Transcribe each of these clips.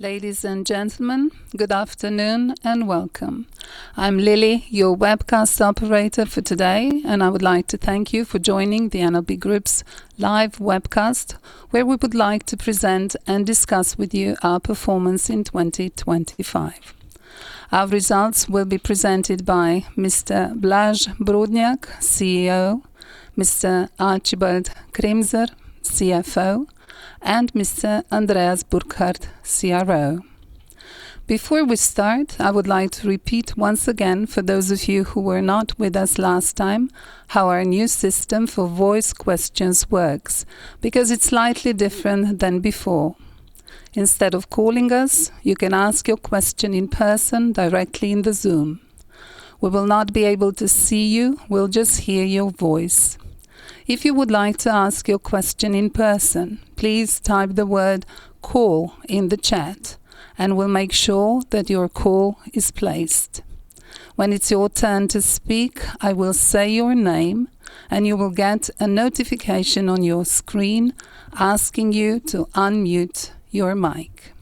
Ladies and gentlemen, good afternoon and welcome. I'm Lily, your webcast operator for today, and I would like to thank you for joining the NLB Group's live webcast, where we would like to present and discuss with you our performance in 2025. Our results will be presented by Mr. Blaž Brodnjak, CEO, Mr. Archibald Kremser, CFO, and Mr. Andreas Burkhardt, CRO. Before we start, I would like to repeat once again, for those of you who were not with us last time, how our new system for voice questions works, because it's slightly different than before. Instead of calling us, you can ask your question in person directly in the Zoom. We will not be able to see you, we'll just hear your voice. If you would like to ask your question in person, please type the word "call" in the chat, and we'll make sure that your call is placed. When it's your turn to speak, I will say your name, and you will get a notification on your screen asking you to unmute your mic.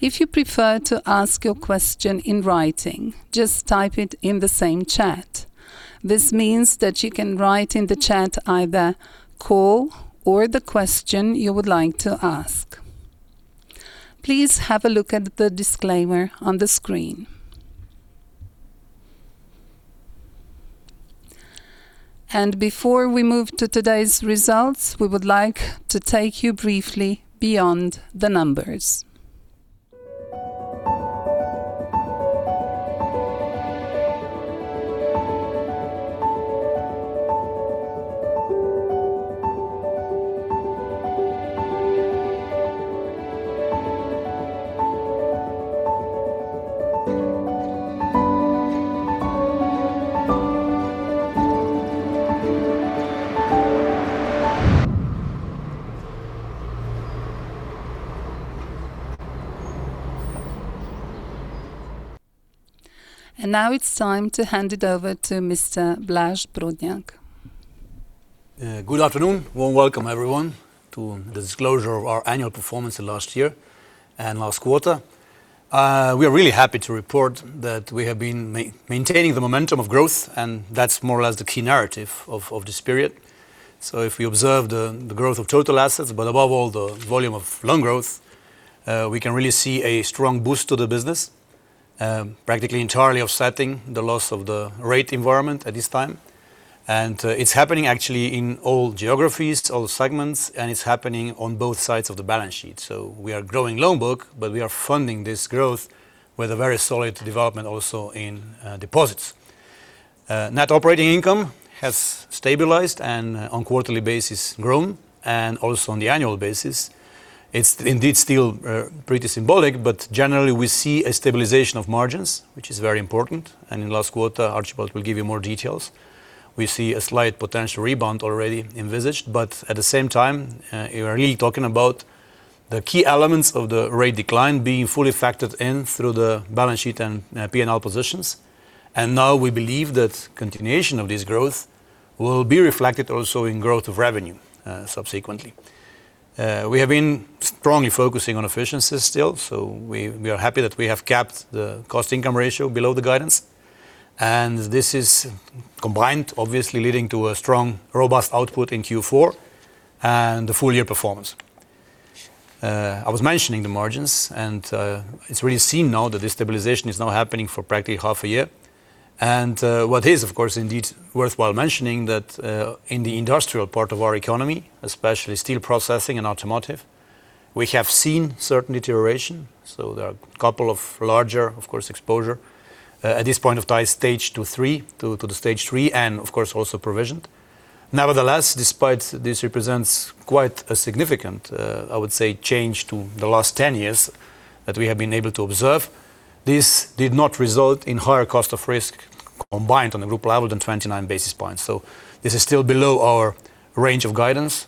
If you prefer to ask your question in writing, just type it in the same chat. This means that you can write in the chat either call or the question you would like to ask. Please have a look at the disclaimer on the screen. Before we move to today's results, we would like to take you briefly beyond the numbers. Now it's time to hand it over to Mr. Blaž Brodnjak. Good afternoon. Warm welcome, everyone, to the disclosure of our annual performance in last year and last quarter. We are really happy to report that we have been maintaining the momentum of growth, and that's more or less the key narrative of this period. So if we observe the growth of total assets, but above all, the volume of loan growth, we can really see a strong boost to the business, practically entirely offsetting the loss of the rate environment at this time. And it's happening actually in all geographies, all segments, and it's happening on both sides of the balance sheet. So we are growing loan book, but we are funding this growth with a very solid development also in deposits. Net operating income has stabilized and on quarterly basis, grown, and also on the annual basis. It's indeed still pretty symbolic, but generally, we see a stabilization of margins, which is very important. In last quarter, Archibald will give you more details. We see a slight potential rebound already envisaged, but at the same time, we are really talking about the key elements of the rate decline being fully factored in through the balance sheet and P&L positions. Now we believe that continuation of this growth will be reflected also in growth of revenue subsequently. We have been strongly focusing on efficiencies still, so we are happy that we have capped the cost-income ratio below the guidance, and this is combined, obviously leading to a strong, robust output in Q4 and the full year performance. I was mentioning the margins, and it's really seen now that this stabilization is now happening for practically half a year. What is, of course, indeed worthwhile mentioning that, in the industrial part of our economy, especially steel processing and automotive, we have seen certain deterioration. So there are a couple of larger, of course, exposure at this point of time, Stage 2, 3 to Stage 3, and of course, also provisioned. Nevertheless, despite this represents quite a significant, I would say, change to the last 10 years that we have been able to observe, this did not result in higher cost of risk combined on a group level than 29 basis points. So this is still below our range of guidance,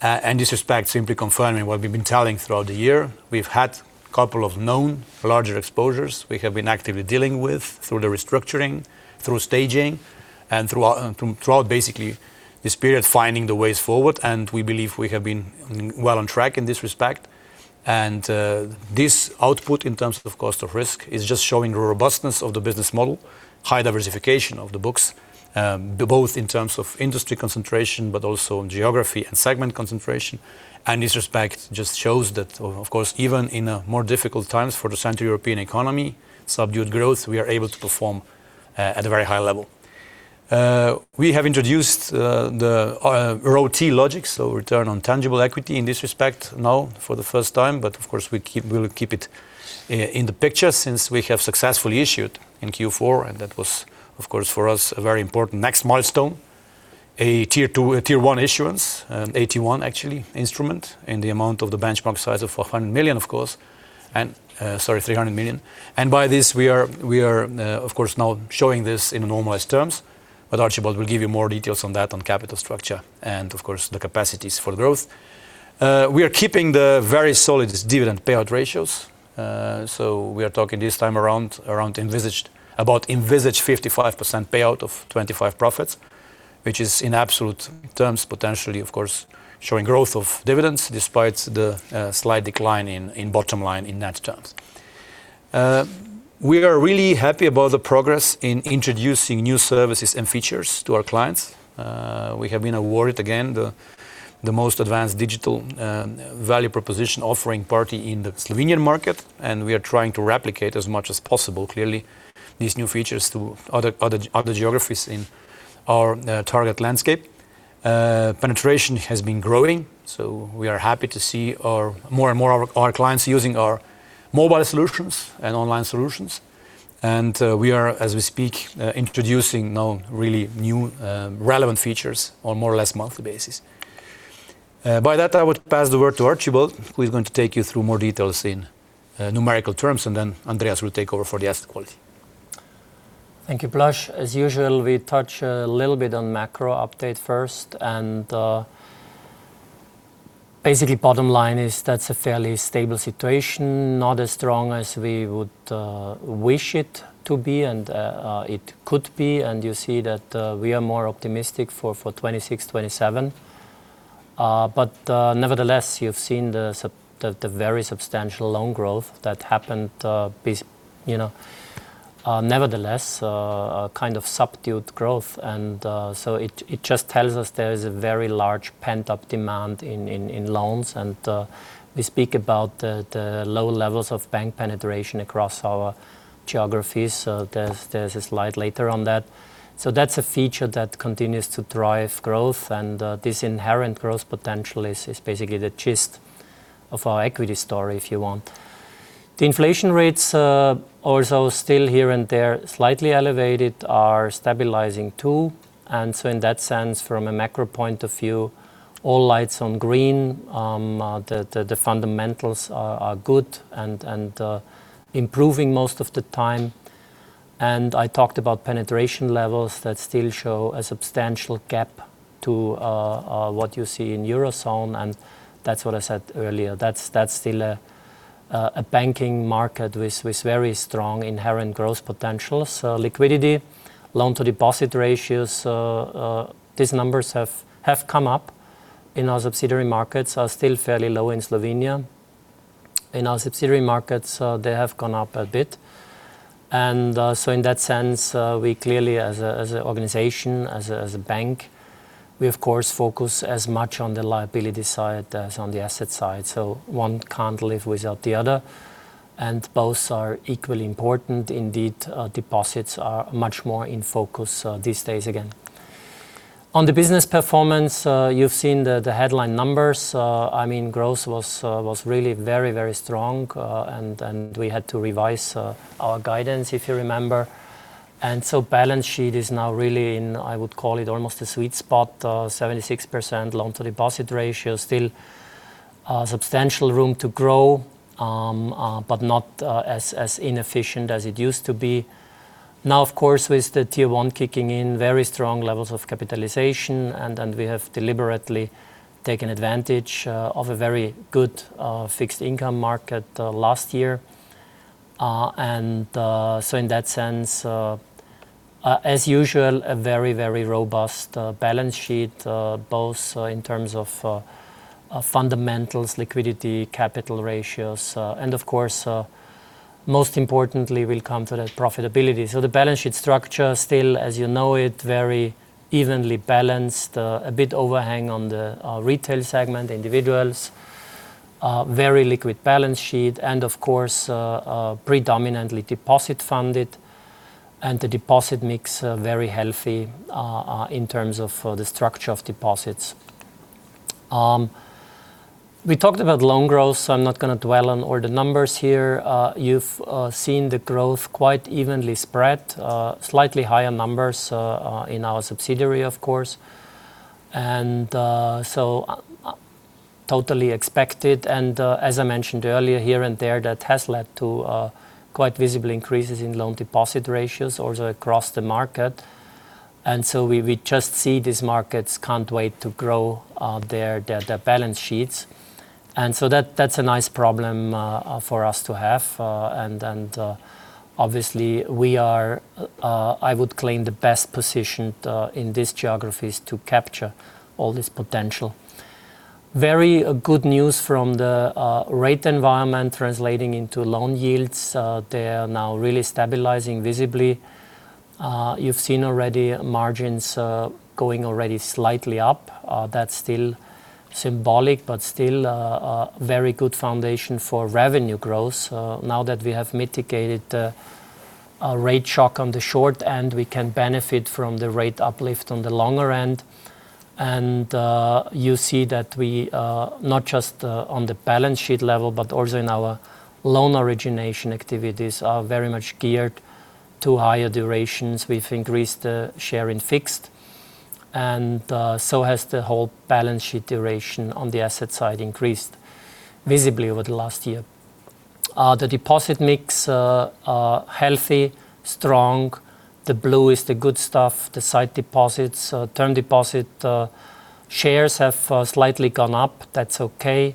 and in this respect, simply confirming what we've been telling throughout the year. We've had a couple of known larger exposures we have been actively dealing with through the restructuring, through staging, and throughout basically this period, finding the ways forward, and we believe we have been well on track in this respect. And this output, in terms of cost of risk, is just showing the robustness of the business model, high diversification of the books, both in terms of industry concentration, but also in geography and segment concentration. And this respect just shows that, of course, even in more difficult times for the Central European economy, subdued growth, we are able to perform at a very high level. We have introduced the ROTE logic, so return on tangible equity in this respect now for the first time. Of course, we will keep it in the picture since we have successfully issued in Q4, and that was, of course, for us, a very important next milestone, a Tier 2... a Tier 1 issuance, an AT1 actually instrument in the amount of the benchmark size of 400 million, of course, and sorry, 300 million. And by this, we are, of course, now showing this in normalized terms, but Archibald will give you more details on that, on capital structure and of course, the capacities for growth. We are keeping the very solid dividend payout ratios. So we are talking this time around, around envisaged, about envisaged 55% payout of 2025 profits.... which is in absolute terms, potentially, of course, showing growth of dividends despite the slight decline in bottom line in net terms. We are really happy about the progress in introducing new services and features to our clients. We have been awarded again the most advanced digital value proposition offering in the Slovenian market, and we are trying to replicate as much as possible, clearly, these new features to other geographies in our target landscape. Penetration has been growing, so we are happy to see more and more our clients using our mobile solutions and online solutions. And we are, as we speak, introducing now really new relevant features on more or less monthly basis. By that, I would pass the word to Archibald, who is going to take you through more details in numerical terms, and then Andreas will take over for the asset quality. Thank you, Blaž. As usual, we touch a little bit on macro update first, and basically, bottom line is that's a fairly stable situation. Not as strong as we would wish it to be and it could be, and you see that we are more optimistic for 2026, 2027. But nevertheless, you've seen the very substantial loan growth that happened, you know, nevertheless, a kind of subdued growth. And so it just tells us there is a very large pent-up demand in loans, and we speak about the low levels of bank penetration across our geographies. So there's a slide later on that. So that's a feature that continues to drive growth, and this inherent growth potential is basically the gist of our equity story, if you want. The inflation rates also still here and there, slightly elevated, are stabilizing too. And so in that sense, from a macro point of view, all lights on green. The fundamentals are good and improving most of the time. And I talked about penetration levels that still show a substantial gap to what you see in Eurozone, and that's what I said earlier. That's still a banking market with very strong inherent growth potential. So liquidity, loan-to-deposit ratios, these numbers have come up in our subsidiary markets, are still fairly low in Slovenia. In our subsidiary markets, they have gone up a bit. So in that sense, we clearly, as an organization, as a bank, we of course focus as much on the liability side as on the asset side. So one can't live without the other, and both are equally important. Indeed, deposits are much more in focus these days again. On the business performance, you've seen the headline numbers. I mean, growth was really very, very strong, and we had to revise our guidance, if you remember. And so balance sheet is now really in, I would call it, almost a sweet spot, 76% loan-to-deposit ratio. Still, substantial room to grow, but not as inefficient as it used to be. Now, of course, with the Tier 1 kicking in very strong levels of capitalization, and we have deliberately taken advantage of a very good fixed income market last year. And so in that sense, as usual, a very, very robust balance sheet both in terms of fundamentals, liquidity, capital ratios, and of course, most importantly, we'll come to the profitability. So the balance sheet structure, still, as you know it, very evenly balanced, a bit overhang on the retail segment, individuals. Very liquid balance sheet and of course, predominantly deposit funded, and the deposit mix, very healthy in terms of the structure of deposits. We talked about loan growth, so I'm not going to dwell on all the numbers here. You've seen the growth quite evenly spread, slightly higher numbers in our subsidiary, of course, and so totally expected. And as I mentioned earlier, here and there, that has led to quite visible increases in loan deposit ratios also across the market. And so we just see these markets can't wait to grow their balance sheets. And so that's a nice problem for us to have, and obviously we are, I would claim, the best positioned in these geographies to capture all this potential. Very good news from the rate environment translating into loan yields. They are now really stabilizing visibly. You've seen already margins going already slightly up. That's still symbolic, but still, a very good foundation for revenue growth, now that we have mitigated the rate shock on the short end, we can benefit from the rate uplift on the longer end. And you see that we, not just on the balance sheet level, but also in our loan origination activities, are very much geared to higher durations. We've increased the share in fixed, and so has the whole balance sheet duration on the asset side increased visibly over the last year. The deposit mix, healthy, strong. The blue is the good stuff, the sight deposits. Term deposit shares have slightly gone up. That's okay.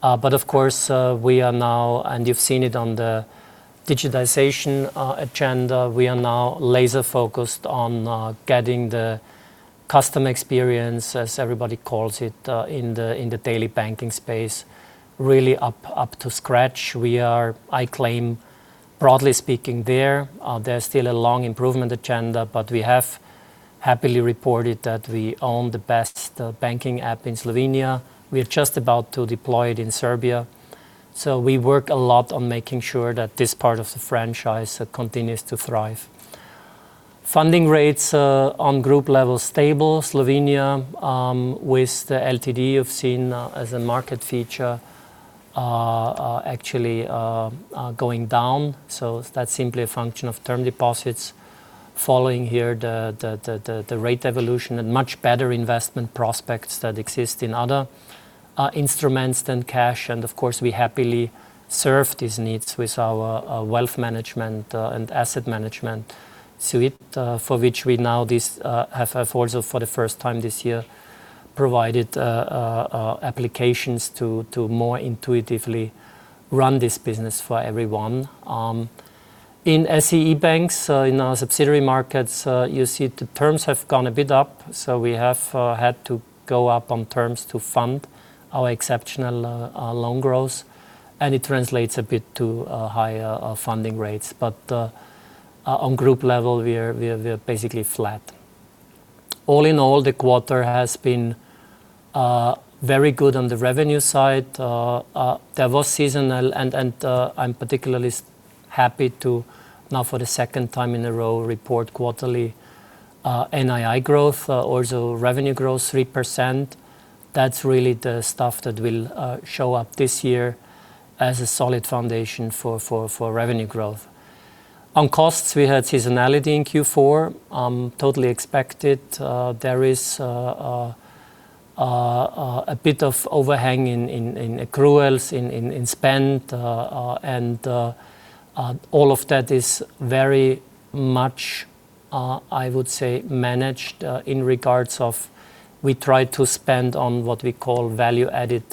But of course, we are now, and you've seen it on the digitization agenda, we are now laser-focused on getting the customer experience, as everybody calls it, in the daily banking space, really up to scratch. We are, I claim, broadly speaking, there. There's still a long improvement agenda, but we have happily reported that we own the best banking app in Slovenia. We are just about to deploy it in Serbia, so we work a lot on making sure that this part of the franchise continues to thrive. Funding rates on group level, stable. Slovenia with the LTD, you've seen, as a market feature, are actually going down. So that's simply a function of term deposits following here the rate evolution and much better investment prospects that exist in other instruments than cash. And of course, we happily serve these needs with our wealth management and asset management suite, for which we now have also for the first time this year provided applications to more intuitively run this business for everyone. In SEE banks in our subsidiary markets, you see the terms have gone a bit up, so we have had to go up on terms to fund our exceptional loan growth, and it translates a bit to higher funding rates. But on group level, we are basically flat. All in all, the quarter has been very good on the revenue side. There was seasonality and I'm particularly happy to now, for the second time in a row, report quarterly NII growth, also revenue growth 3%. That's really the stuff that will show up this year as a solid foundation for revenue growth. On costs, we had seasonality in Q4, totally expected. There is a bit of overhang in accruals, in spend, and all of that is very much, I would say, managed, in regards of we try to spend on what we call value-added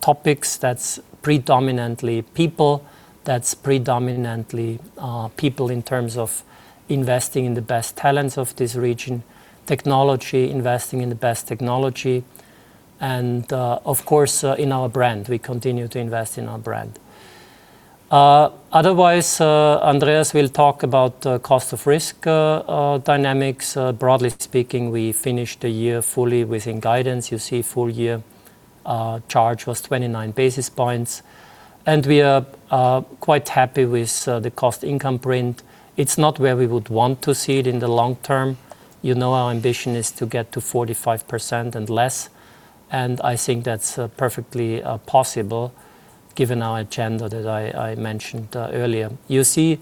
topics. That's predominantly people, that's predominantly people in terms of investing in the best talents of this region. Technology, investing in the best technology, and, of course, in our brand, we continue to invest in our brand. Otherwise, Andreas will talk about, cost of risk, dynamics. Broadly speaking, we finished the year fully within guidance. You see, full year, charge was 29 basis points, and we are, quite happy with, the cost-income print. It's not where we would want to see it in the long term. You know, our ambition is to get to 45% and less, and I think that's, perfectly, possible given our agenda, as I, I mentioned, earlier. You see,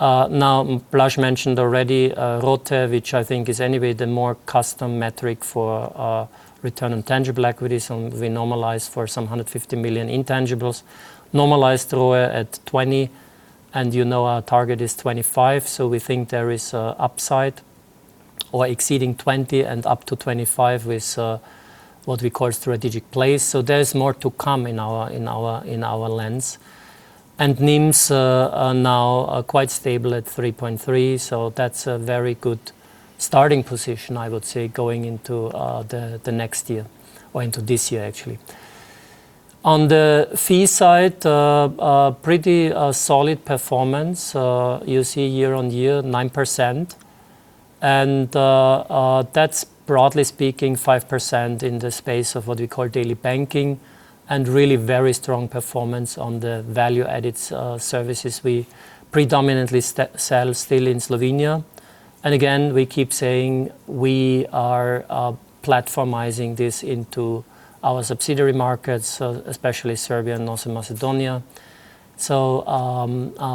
now Blaž mentioned already, ROTE, which I think is anyway the more custom metric for, return on tangible equity, so we normalize for some 150 million intangibles. Normalized ROE at 20, and you know our target is 25, so we think there is upside or exceeding 20 and up to 25 with what we call strategic plays. So there is more to come in our lens. And NIMs are now quite stable at 3.3, so that's a very good starting position, I would say, going into the next year or into this year, actually. On the fee side, a pretty solid performance. You see year-on-year, 9%, and that's broadly speaking, 5% in the space of what we call daily banking, and really very strong performance on the value-added services we predominantly sell still in Slovenia. And again, we keep saying we are platformizing this into our subsidiary markets, especially Serbia and North Macedonia. So,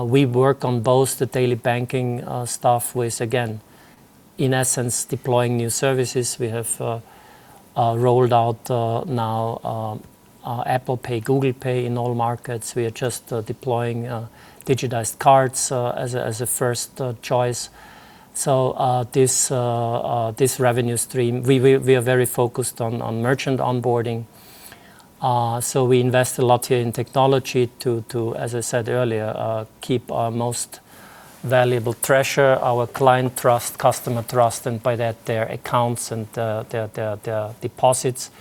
we work on both the daily banking stuff with, again, in essence, deploying new services. We have rolled out now Apple Pay, Google Pay in all markets. We are just deploying digitized cards as a first choice. So, this revenue stream, we are very focused on merchant onboarding. So we invest a lot here in technology to, as I said earlier, keep our most valuable treasure, our client trust, customer trust, and by that, their accounts and their deposits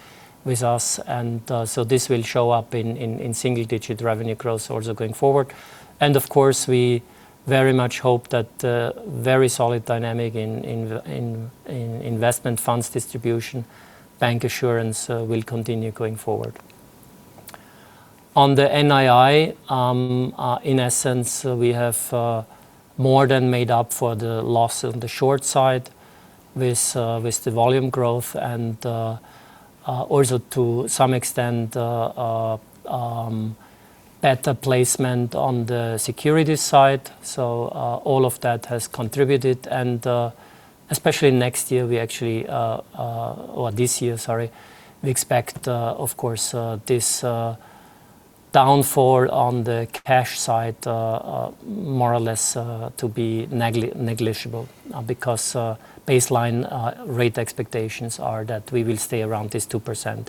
with us. And so this will show up in single-digit revenue growth also going forward. Of course, we very much hope that very solid dynamic in investment funds distribution, bancassurance, will continue going forward. On the NII, in essence, we have more than made up for the loss on the short side with the volume growth and also to some extent better placement on the security side. All of that has contributed, and especially next year, we actually or this year, sorry, we expect of course this downfall on the cash side more or less to be negligible because baseline rate expectations are that we will stay around this 2%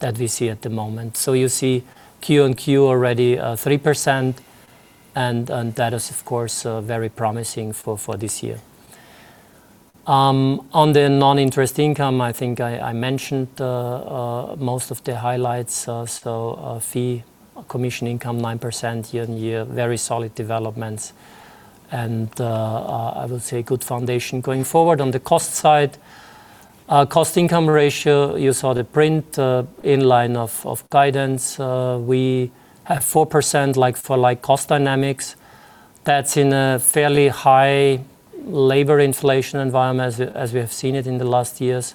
that we see at the moment. So you see Q-on-Q already, 3% and that is, of course, very promising for this year. On the non-interest income, I think I mentioned most of the highlights. So fee, commission income, 9% year-on-year, very solid developments and I would say a good foundation going forward. On the cost side, our cost-income ratio, you saw the print, in line of guidance. We have 4%, like, for, like, cost dynamics. That's in a fairly high labor inflation environment as we have seen it in the last years,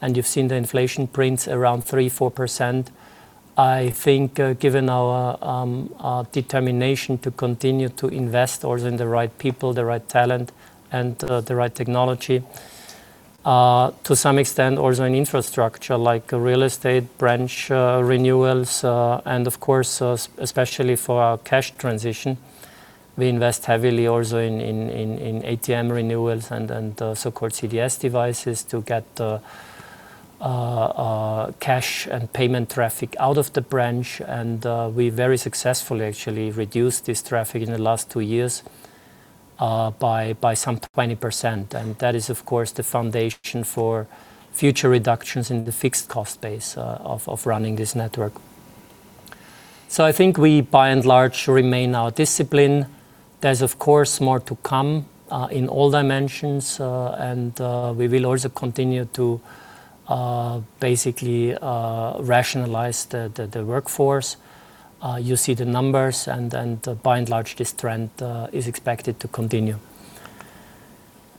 and you've seen the inflation prints around 3%-4%. I think, given our, our determination to continue to invest also in the right people, the right talent and, the right technology, to some extent also in infrastructure like real estate, branch, renewals, and of course, especially for our cash transition, we invest heavily also in ATM renewals and, so-called CDS devices to get the, cash and payment traffic out of the branch, and, we very successfully actually reduced this traffic in the last two years, by some 20%, and that is, of course, the foundation for future reductions in the fixed cost base, of running this network. So I think we, by and large, remain our discipline. There's, of course, more to come in all dimensions, and we will also continue to basically rationalize the workforce. You see the numbers, and then, by and large, this trend is expected to continue.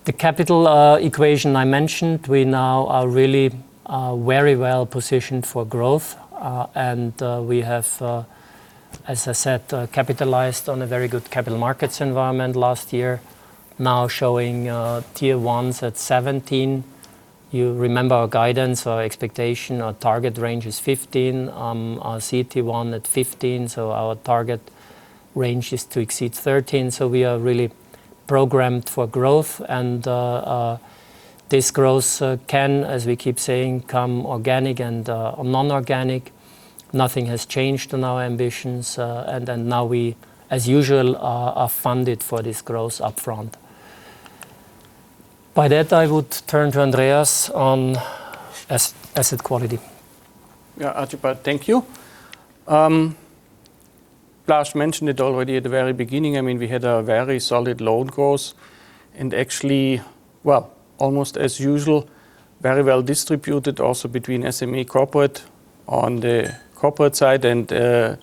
The capital equation I mentioned, we now are really very well positioned for growth, and we have, as I said, capitalized on a very good capital markets environment last year. Now showing Tier 1s at 17. You remember our guidance, our expectation, our target range is 15, our CET1 at 15, so our target range is to exceed 13. So we are really programmed for growth, and this growth can, as we keep saying, come organic and non-organic. Nothing has changed in our ambitions, and then now we, as usual, are funded for this growth upfront. By that, I would turn to Andreas on asset quality. Yeah, Archibald, thank you. Blaž mentioned it already at the very beginning. I mean, we had a very solid loan growth and actually, well, almost as usual, very well distributed also between SME corporate on the corporate side and,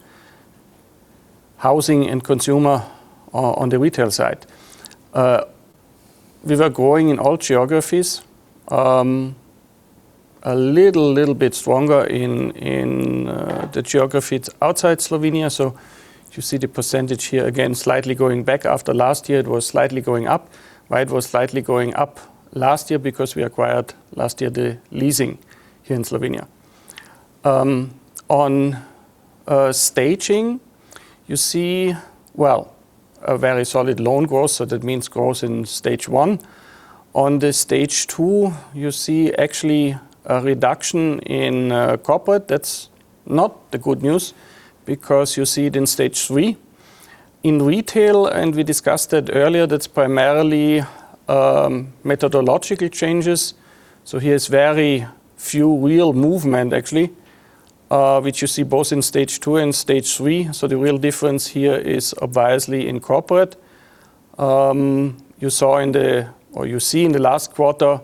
housing and consumer on the retail side. We were growing in all geographies, a little bit stronger in the geographies outside Slovenia. So you see the percentage here, again, slightly going back after last year, it was slightly going up. Right? It was slightly going up last year because we acquired last year the leasing here in Slovenia. On staging, you see, well, a very solid loan growth, so that means growth in Stage 1. On the Stage 2, you see actually a reduction in corporate. That's not the good news, because you see it in Stage 3. In retail, and we discussed it earlier, that's primarily methodological changes, so there's very few real movement actually, which you see both in Stage 2 and Stage 3. So the real difference here is obviously in corporate. You saw in the... or you see in the last quarter,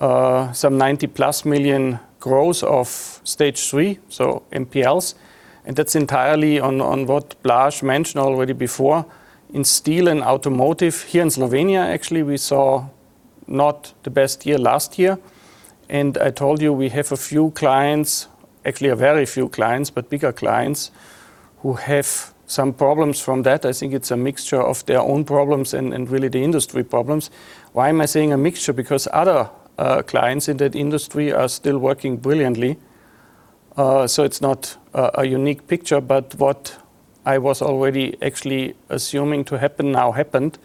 some 90+ million growth of Stage 3, so NPLs, and that's entirely on what Blaž mentioned already before. In steel and automotive here in Slovenia, actually, we saw not the best year last year, and I told you we have a few clients, actually, a very few clients, but bigger clients, who have some problems from that. I think it's a mixture of their own problems and really the industry problems. Why am I saying a mixture? Because other clients in that industry are still working brilliantly. So it's not a unique picture, but what I was already actually assuming to happen now happened.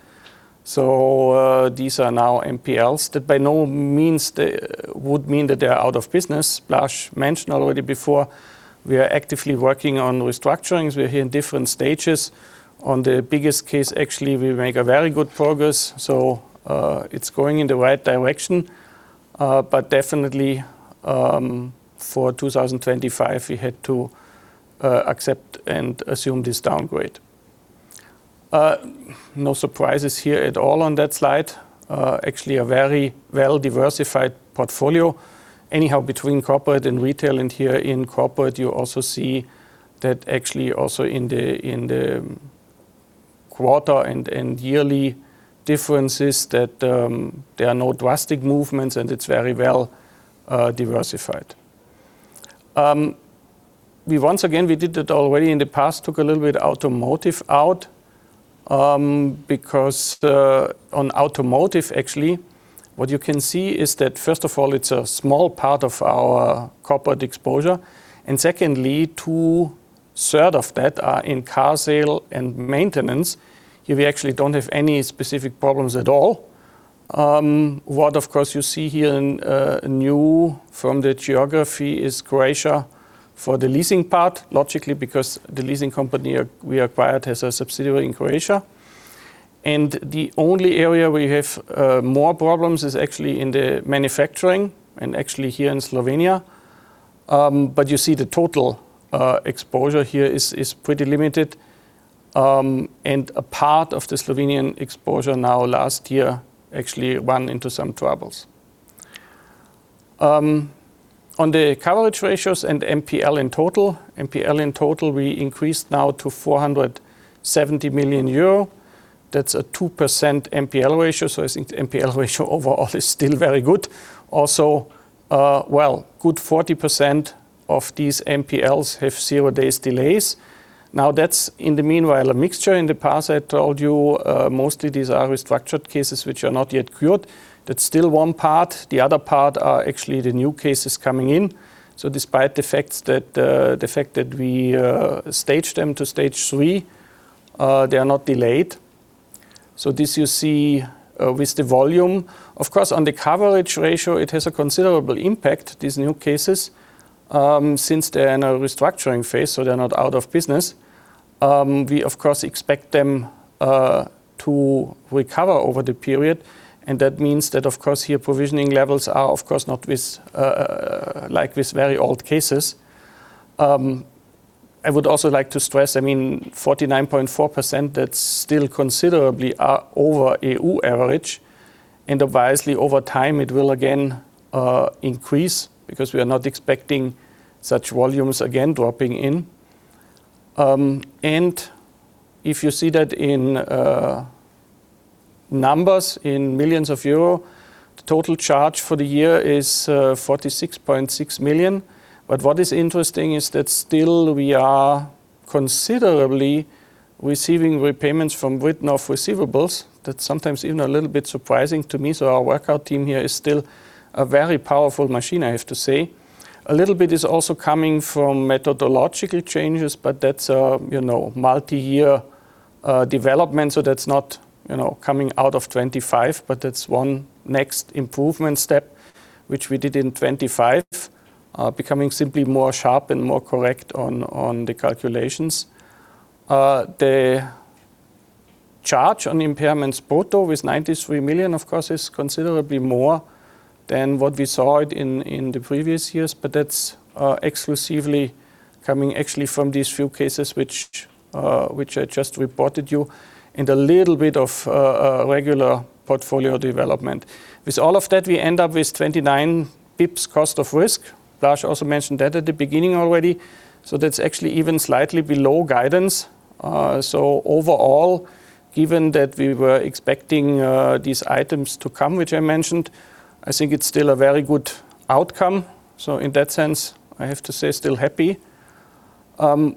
So these are now NPLs. That by no means they would mean that they are out of business. Blaž mentioned already before, we are actively working on restructurings. We're in different stages. On the biggest case, actually, we make a very good progress, so it's going in the right direction. But definitely, for 2025, we had to accept and assume this downgrade. No surprises here at all on that slide. Actually, a very well-diversified portfolio, anyhow, between corporate and retail, and here in corporate you also see that actually also in the quarter and yearly differences, that there are no drastic movements, and it's very well diversified. We once again, we did it already in the past, took a little bit automotive out, because on automotive, actually, what you can see is that, first of all, it's a small part of our corporate exposure, and secondly, two-thirds of that are in car sale and maintenance, here we actually don't have any specific problems at all. What of course you see here in new from the geography is Croatia for the leasing part, logically, because the leasing company we acquired has a subsidiary in Croatia. And the only area we have more problems is actually in the manufacturing, and actually here in Slovenia. But you see the total exposure here is pretty limited. And a part of the Slovenian exposure now last year actually ran into some troubles. On the coverage ratios and NPL in total, NPL in total, we increased now to 470 million euro. That's a 2% NPL ratio, so I think the NPL ratio overall is still very good. Also, well, good 40% of these NPLs have zero days delays. Now, that's in the meanwhile, a mixture. In the past, I told you, mostly these are restructured cases which are not yet cured. That's still one part. The other part are actually the new cases coming in. So despite the facts that, the fact that we, stage them to Stage 3, they are not delayed. So this you see, with the volume. Of course, on the coverage ratio, it has a considerable impact, these new cases, since they're in a restructuring phase, so they're not out of business, we of course expect them to recover over the period, and that means that, of course, here provisioning levels are, of course, not with, like, with very old cases. I would also like to stress, I mean, 49.4%, that's still considerably over EU average, and obviously, over time, it will again increase because we are not expecting such volumes again, dropping in. And if you see that in numbers, in millions of euro, the total charge for the year is 46.6 million. But what is interesting is that still we are considerably receiving repayments from written-off receivables. That's sometimes even a little bit surprising to me, so our workout team here is still a very powerful machine, I have to say. A little bit is also coming from methodological changes, but that's a, you know, multi-year development, so that's not, you know, coming out of 2025, but that's one next improvement step, which we did in 2025, becoming simply more sharp and more correct on, on the calculations. The charge on impairments portfolio with 93 million, of course, is considerably more than what we saw in the previous years, but that's exclusively coming actually from these few cases, which I just reported to you, and a little bit of regular portfolio development. With all of that, we end up with 29 bps cost of risk. Blaž also mentioned that at the beginning already, so that's actually even slightly below guidance. So overall, given that we were expecting these items to come, which I mentioned, I think it's still a very good outcome. So in that sense, I have to say, still happy.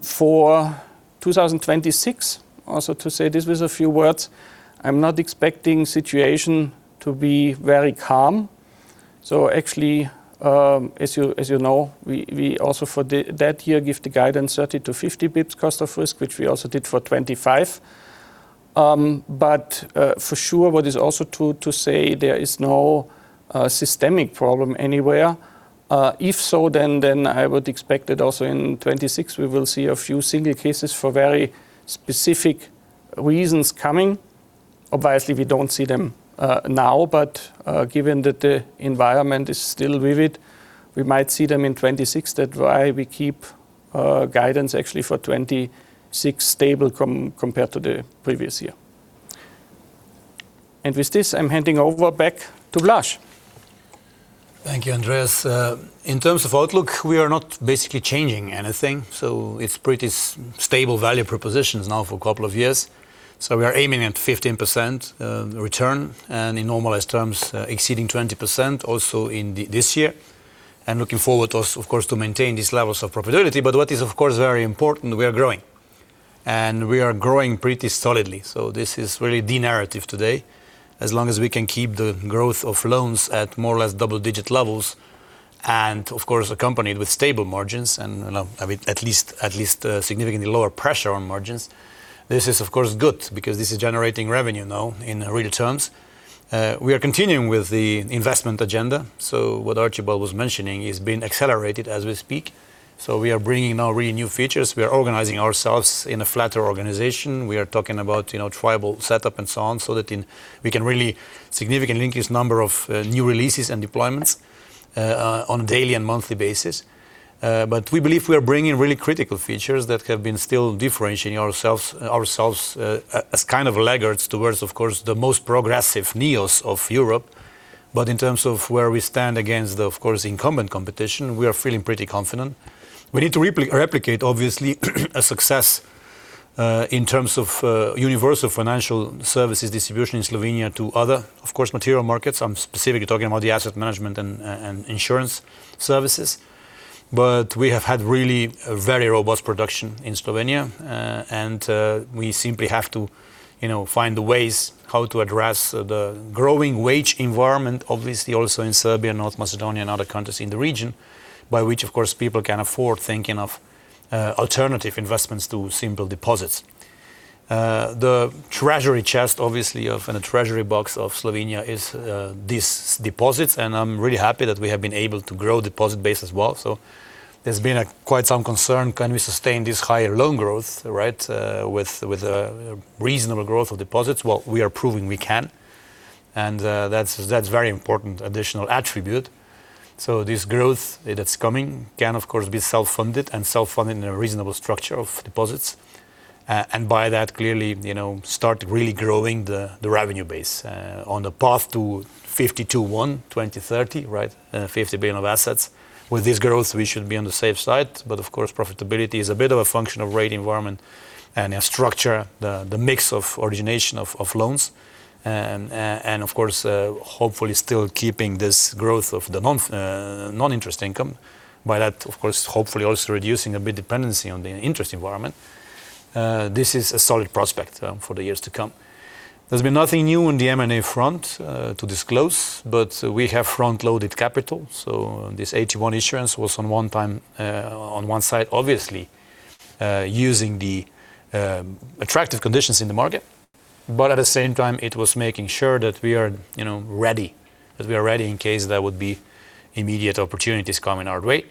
For 2026, also to say this with a few words, I'm not expecting situation to be very calm. So actually, as you know, we also for that year give the guidance 30-50 bps cost of risk, which we also did for 2025. But for sure, what is also true to say, there is no systemic problem anywhere. If so, then I would expect that also in 2026, we will see a few similar cases for very specific reasons coming. Obviously, we don't see them now, but given that the environment is still vivid, we might see them in 2026. That's why we keep guidance actually for 2026 stable compared to the previous year. And with this, I'm handing over back to Blaž. Thank you, Andreas. In terms of outlook, we are not basically changing anything, so it's pretty stable value propositions now for a couple of years. We are aiming at 15% return, and in normalized terms, exceeding 20% also in this year. Looking forward also, of course, to maintain these levels of profitability. What is, of course, very important, we are growing, and we are growing pretty solidly. This is really the narrative today. As long as we can keep the growth of loans at more or less double-digit levels, and of course, accompanied with stable margins and, I mean, at least, at least, significantly lower pressure on margins, this is, of course, good because this is generating revenue now in real terms. We are continuing with the investment agenda, so what Archibald was mentioning is being accelerated as we speak. So we are bringing now really new features. We are organizing ourselves in a flatter organization. We are talking about, you know, tribal setup and so on, so that we can really significantly increase number of new releases and deployments on a daily and monthly basis. But we believe we are bringing really critical features that have been still differentiating ourselves as kind of laggards towards, of course, the most progressive neos of Europe. But in terms of where we stand against the, of course, incumbent competition, we are feeling pretty confident. We need to replicate, obviously, a success-... in terms of, universal financial services distribution in Slovenia to other, of course, material markets, I'm specifically talking about the asset management and insurance services. But we have had really a very robust production in Slovenia, and we simply have to, you know, find the ways how to address the growing wage environment, obviously, also in Serbia, North Macedonia, and other countries in the region, by which, of course, people can afford thinking of alternative investments to simple deposits. The treasury chest, obviously, of and the treasury box of Slovenia is these deposits, and I'm really happy that we have been able to grow deposit base as well. So there's been quite some concern, can we sustain this higher loan growth, right, with a reasonable growth of deposits? Well, we are proving we can, and that's very important additional attribute. So this growth that's coming can, of course, be self-funded and self-funded in a reasonable structure of deposits. And by that, clearly, you know, start really growing the revenue base on the path to 52.1 billion, 2030, right? 50 billion of assets. With this growth, we should be on the safe side, but of course, profitability is a bit of a function of rate environment and structure, the mix of origination of loans. And, of course, hopefully still keeping this growth of the non-interest income. By that, of course, hopefully also reducing a bit dependency on the interest environment. This is a solid prospect for the years to come. There's been nothing new on the M&A front to disclose, but we have front-loaded capital, so this 81 million issuance was a one-time, on one side, obviously, using the attractive conditions in the market. But at the same time, it was making sure that we are, you know, ready, that we are ready in case there would be immediate opportunities coming our way.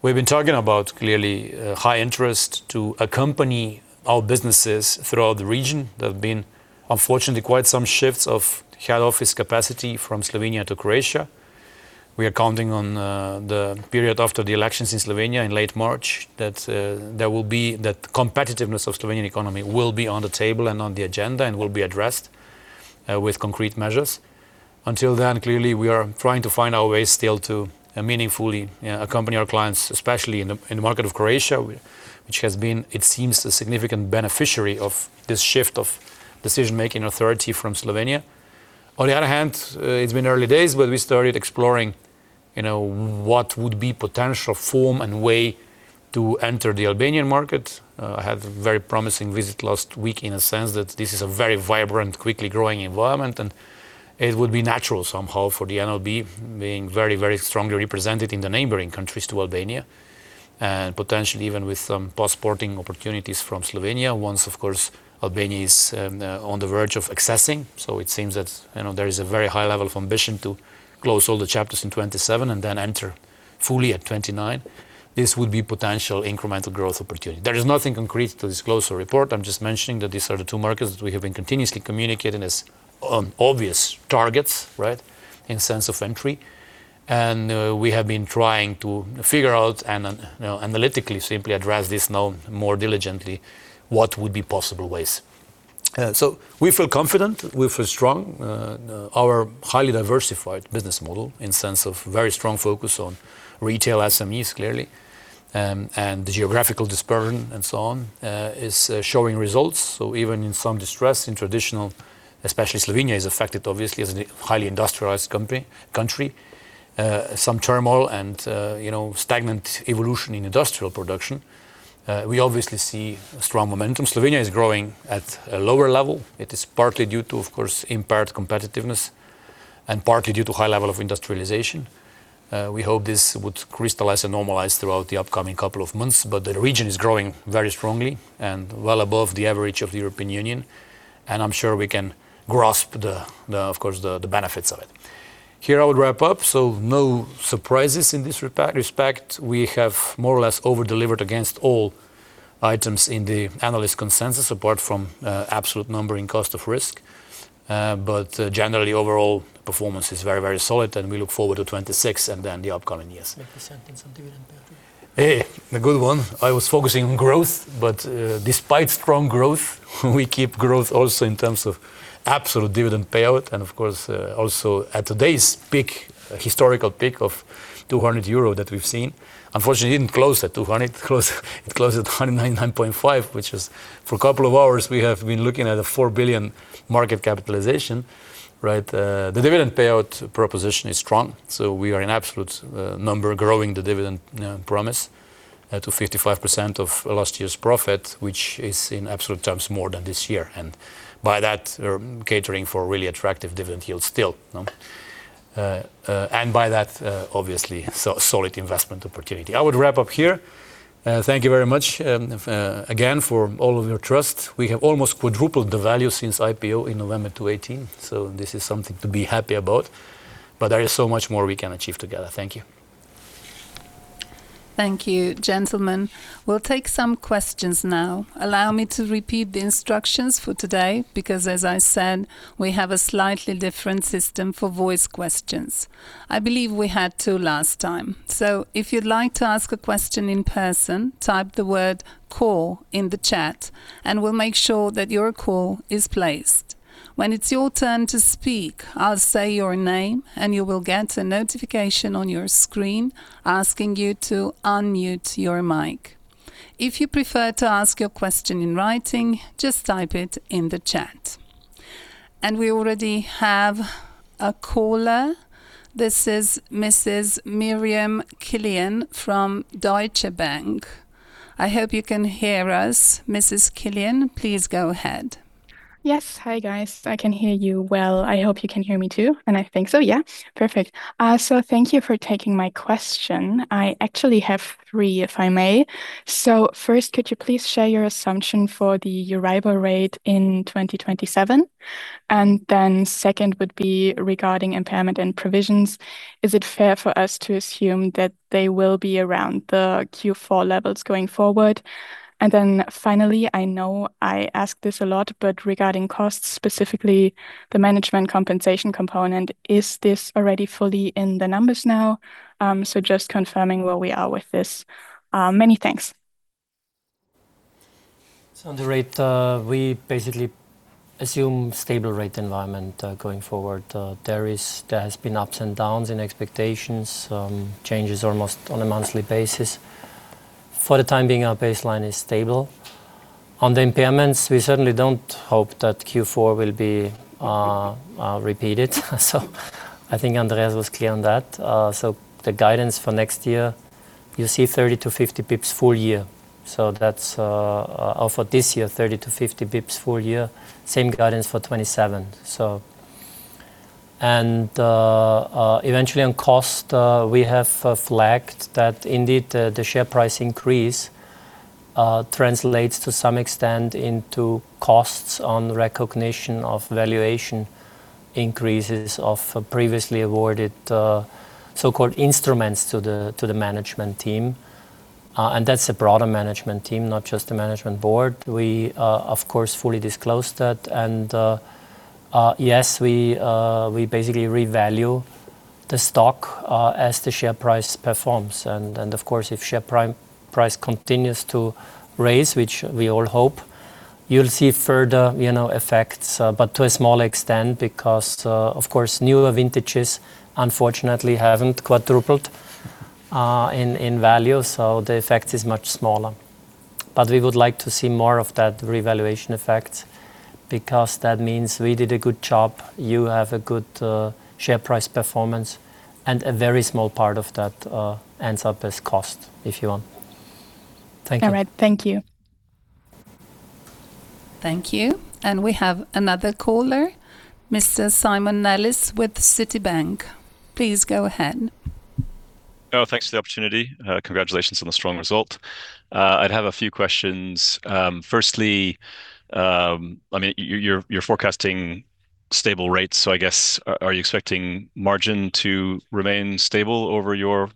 We've been talking about, clearly, high interest to accompany our businesses throughout the region. There have been, unfortunately, quite some shifts of head office capacity from Slovenia to Croatia. We are counting on the period after the elections in Slovenia in late March, that there will be... that competitiveness of Slovenian economy will be on the table and on the agenda and will be addressed with concrete measures. Until then, clearly, we are trying to find our way still to meaningfully accompany our clients, especially in the market of Croatia, which has been, it seems, a significant beneficiary of this shift of decision-making authority from Slovenia. On the other hand, it's been early days, but we started exploring, you know, what would be potential form and way to enter the Albanian market. Had a very promising visit last week in a sense that this is a very vibrant, quickly growing environment, and it would be natural somehow for the NLB being very, very strongly represented in the neighboring countries to Albania, and potentially even with some passporting opportunities from Slovenia once, of course, Albania is on the verge of accessing. So it seems that, you know, there is a very high level of ambition to close all the chapters in 2027 and then enter fully at 2029. This would be potential incremental growth opportunity. There is nothing concrete to disclose or report. I'm just mentioning that these are the two markets that we have been continuously communicating as, obvious targets, right, in sense of entry. And, we have been trying to figure out and you know, analytically, simply address this now more diligently, what would be possible ways? So we feel confident, we feel strong. Our highly diversified business model, in sense of very strong focus on retail SMEs, clearly, and the geographical dispersion and so on, is showing results. So even in some distress in traditional, especially Slovenia is affected, obviously, as a highly industrialized company, country, some turmoil and, you know, stagnant evolution in industrial production, we obviously see a strong momentum. Slovenia is growing at a lower level. It is partly due to, of course, impaired competitiveness and partly due to high level of industrialization. We hope this would crystallize and normalize throughout the upcoming couple of months, but the region is growing very strongly and well above the average of the European Union, and I'm sure we can grasp the, of course, the benefits of it. Here, I would wrap up. So no surprises in this respect. We have more or less over-delivered against all items in the analyst consensus, apart from absolute numbering cost of risk. Generally, overall performance is very, very solid, and we look forward to 2026 and then the upcoming years. Make a sentence on dividend payout. Hey, a good one. I was focusing on growth, but, despite strong growth, we keep growth also in terms of absolute dividend payout and, of course, also at today's peak, historical peak of 200 euro that we've seen. Unfortunately, it didn't close at 200, it closed at 199.5, which is for a couple of hours, we have been looking at a 4 billion market capitalization, right? The dividend payout proposition is strong, so we are in absolute, number, growing the dividend, promise, to 55% of last year's profit, which is in absolute terms, more than this year. And by that, we're catering for really attractive dividend yield still. And by that, obviously, solid investment opportunity. I would wrap up here. Thank you very much, again, for all of your trust. We have almost quadrupled the value since IPO in November 2018, so this is something to be happy about, but there is so much more we can achieve together. Thank you. Thank you, gentlemen. We'll take some questions now. Allow me to repeat the instructions for today, because, as I said, we have a slightly different system for voice questions. I believe we had two last time. So if you'd like to ask a question in person, type the word "call" in the chat, and we'll make sure that your call is placed. When it's your turn to speak, I'll say your name, and you will get a notification on your screen asking you to unmute your mic. If you prefer to ask your question in writing, just type it in the chat.... We already have a caller. This is Mrs. Miriam Killian from Deutsche Bank. I hope you can hear us, Mrs. Killian. Please go ahead. Yes. Hi, guys. I can hear you well. I hope you can hear me, too, and I think so. Yeah. Perfect. So thank you for taking my question. I actually have three, if I may. So first, could you please share your assumption for the euro rate in 2027? And then second would be regarding impairment and provisions, is it fair for us to assume that they will be around the Q4 levels going forward? And then finally, I know I ask this a lot, but regarding costs, specifically the management compensation component, is this already fully in the numbers now? So just confirming where we are with this. Many thanks. So on the rate, we basically assume stable rate environment, going forward. There has been ups and downs in expectations, changes almost on a monthly basis. For the time being, our baseline is stable. On the impairments, we certainly don't hope that Q4 will be repeated. So I think Andreas was clear on that. So the guidance for next year, you see 30-50 bps full year. So that's, or for this year, 30-50 bps full year. Same guidance for 2027. So... And eventually on cost, we have flagged that indeed the share price increase translates to some extent into costs on recognition of valuation increases of previously awarded so-called instruments to the management team. And that's a broader management team, not just the management board. We, of course, fully disclose that. And, yes, we, we basically revalue the stock, as the share price performs. And, of course, if share price continues to rise, which we all hope, you'll see further, you know, effects, but to a small extent, because, of course, newer vintages unfortunately haven't quadrupled, in, in value, so the effect is much smaller. But we would like to see more of that revaluation effect because that means we did a good job, you have a good, share price performance, and a very small part of that, ends up as cost, if you want. Thank you. All right. Thank you. Thank you. We have another caller, Mr. Simon Nellis with Citibank. Please go ahead. Oh, thanks for the opportunity. Congratulations on the strong result. I'd have a few questions. Firstly, I mean, you're, you're forecasting stable rates, so I guess, are you expecting margin to remain stable over your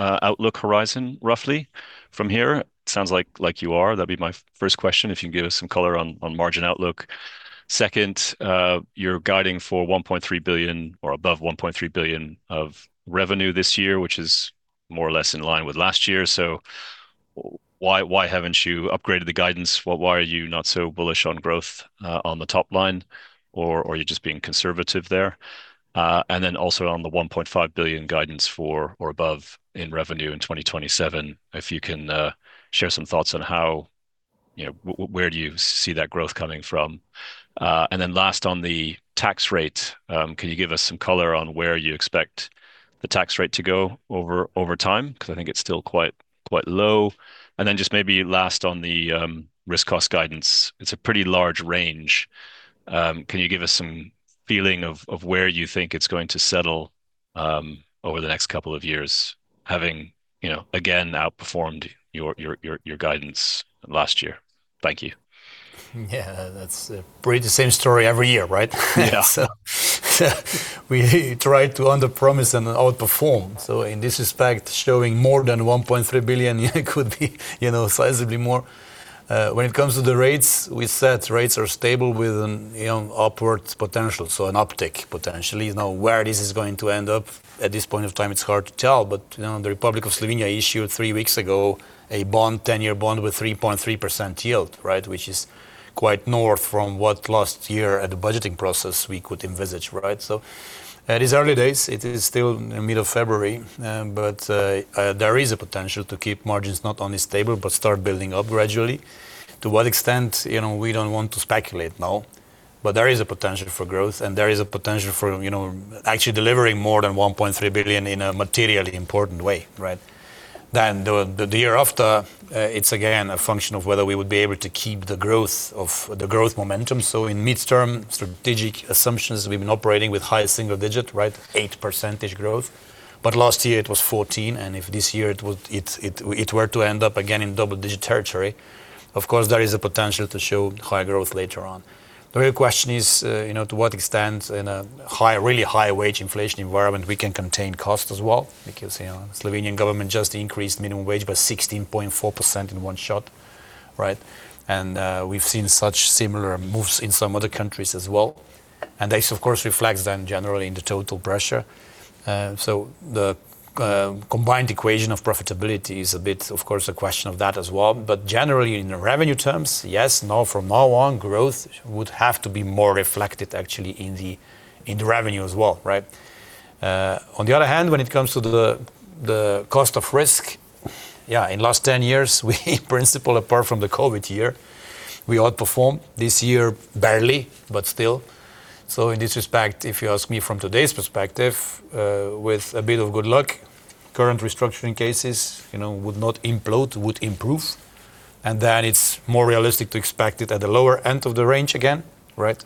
outlook horizon, roughly from here? Sounds like, like you are. That'd be my first question, if you can give us some color on, on margin outlook. Second, you're guiding for 1.3 billion or above 1.3 billion of revenue this year, which is more or less in line with last year. So why, why haven't you upgraded the guidance? Why are you not so bullish on growth, on the top line, or, or you're just being conservative there? And then also on the 1.5 billion guidance for or above in revenue in 2027, if you can, share some thoughts on how... You know, where do you see that growth coming from? And then last on the tax rate, can you give us some color on where you expect the tax rate to go over time? Because I think it's still quite low. And then just maybe last on the risk cost guidance. It's a pretty large range. Can you give us some feeling of where you think it's going to settle over the next couple of years, having, you know, again, outperformed your guidance last year? Thank you. Yeah, that's pretty the same story every year, right? Yeah. So we try to underpromise and outperform. So in this respect, showing more than 1.3 billion, it could be, you know, sizably more. When it comes to the rates, we said rates are stable with an, you know, upwards potential, so an uptick potentially. Now, where this is going to end up, at this point of time, it's hard to tell. But, you know, the Republic of Slovenia issued three weeks ago a bond, 10-year bond with 3.3% yield, right? Which is quite north from what last year at the budgeting process we could envisage, right? So it is early days. It is still the middle of February, but there is a potential to keep margins not only stable, but start building up gradually. To what extent? You know, we don't want to speculate now, but there is a potential for growth, and there is a potential for, you know, actually delivering more than 1.3 billion in a materially important way, right? Then the year after, it's again a function of whether we would be able to keep the growth momentum. So in midterm strategic assumptions, we've been operating with high single-digit, right? 8% growth. But last year it was 14%, and if this year it were to end up again in double-digit territory, of course, there is a potential to show higher growth later on. The real question is, you know, to what extent in a high, really high wage inflation environment we can contain cost as well? Because, you know, Slovenian government just increased minimum wage by 16.4% in one shot, right? And we've seen such similar moves in some other countries as well, and this, of course, reflects then generally in the total pressure. So the combined equation of profitability is a bit, of course, a question of that as well. But generally, in the revenue terms, yes, now from now on, growth would have to be more reflected actually in the revenue as well, right?... On the other hand, when it comes to the cost of risk, yeah, in the last 10 years, we in principle, apart from the COVID year, outperformed this year barely, but still. So in this respect, if you ask me from today's perspective, with a bit of good luck, current restructuring cases, you know, would not implode, would improve, and then it's more realistic to expect it at the lower end of the range again, right?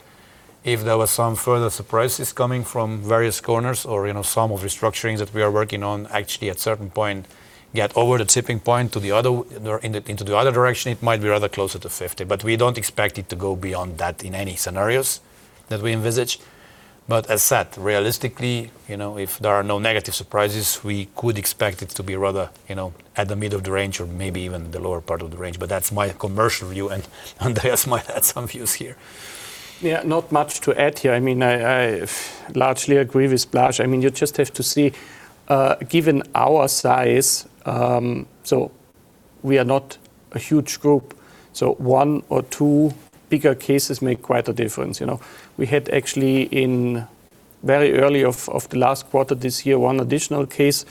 If there were some further surprises coming from various corners or, you know, some of restructurings that we are working on, actually, at certain point, get over the tipping point to the other, or in the, into the other direction, it might be rather closer to 50. But we don't expect it to go beyond that in any scenarios that we envisage. As said, realistically, you know, if there are no negative surprises, we could expect it to be rather, you know, at the middle of the range or maybe even the lower part of the range. That's my commercial view, and Andreas might add some views here. Yeah, not much to add here. I mean, I largely agree with Blaž. I mean, you just have to see, given our size, so we are not a huge group, so one or two bigger cases make quite a difference. You know, we had actually in very early of the last quarter, this year, one additional case,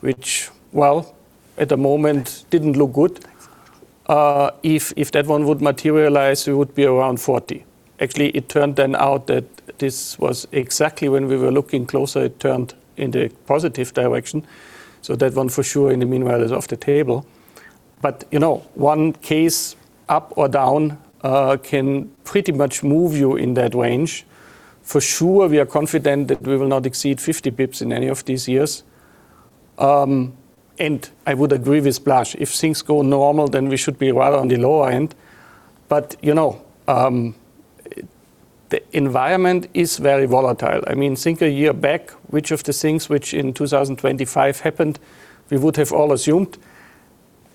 which, well, at the moment, didn't look good. If that one would materialize, we would be around 40. Actually, it turned then out that this was exactly when we were looking closer, it turned in the positive direction, so that one for sure, in the meanwhile, is off the table. But, you know, one case up or down, can pretty much move you in that range. For sure, we are confident that we will not exceed 50 bps in any of these years. And I would agree with Blaž, if things go normal, then we should be rather on the lower end. But, you know, the environment is very volatile. I mean, think a year back, which of the things which in 2025 happened, we would have all assumed,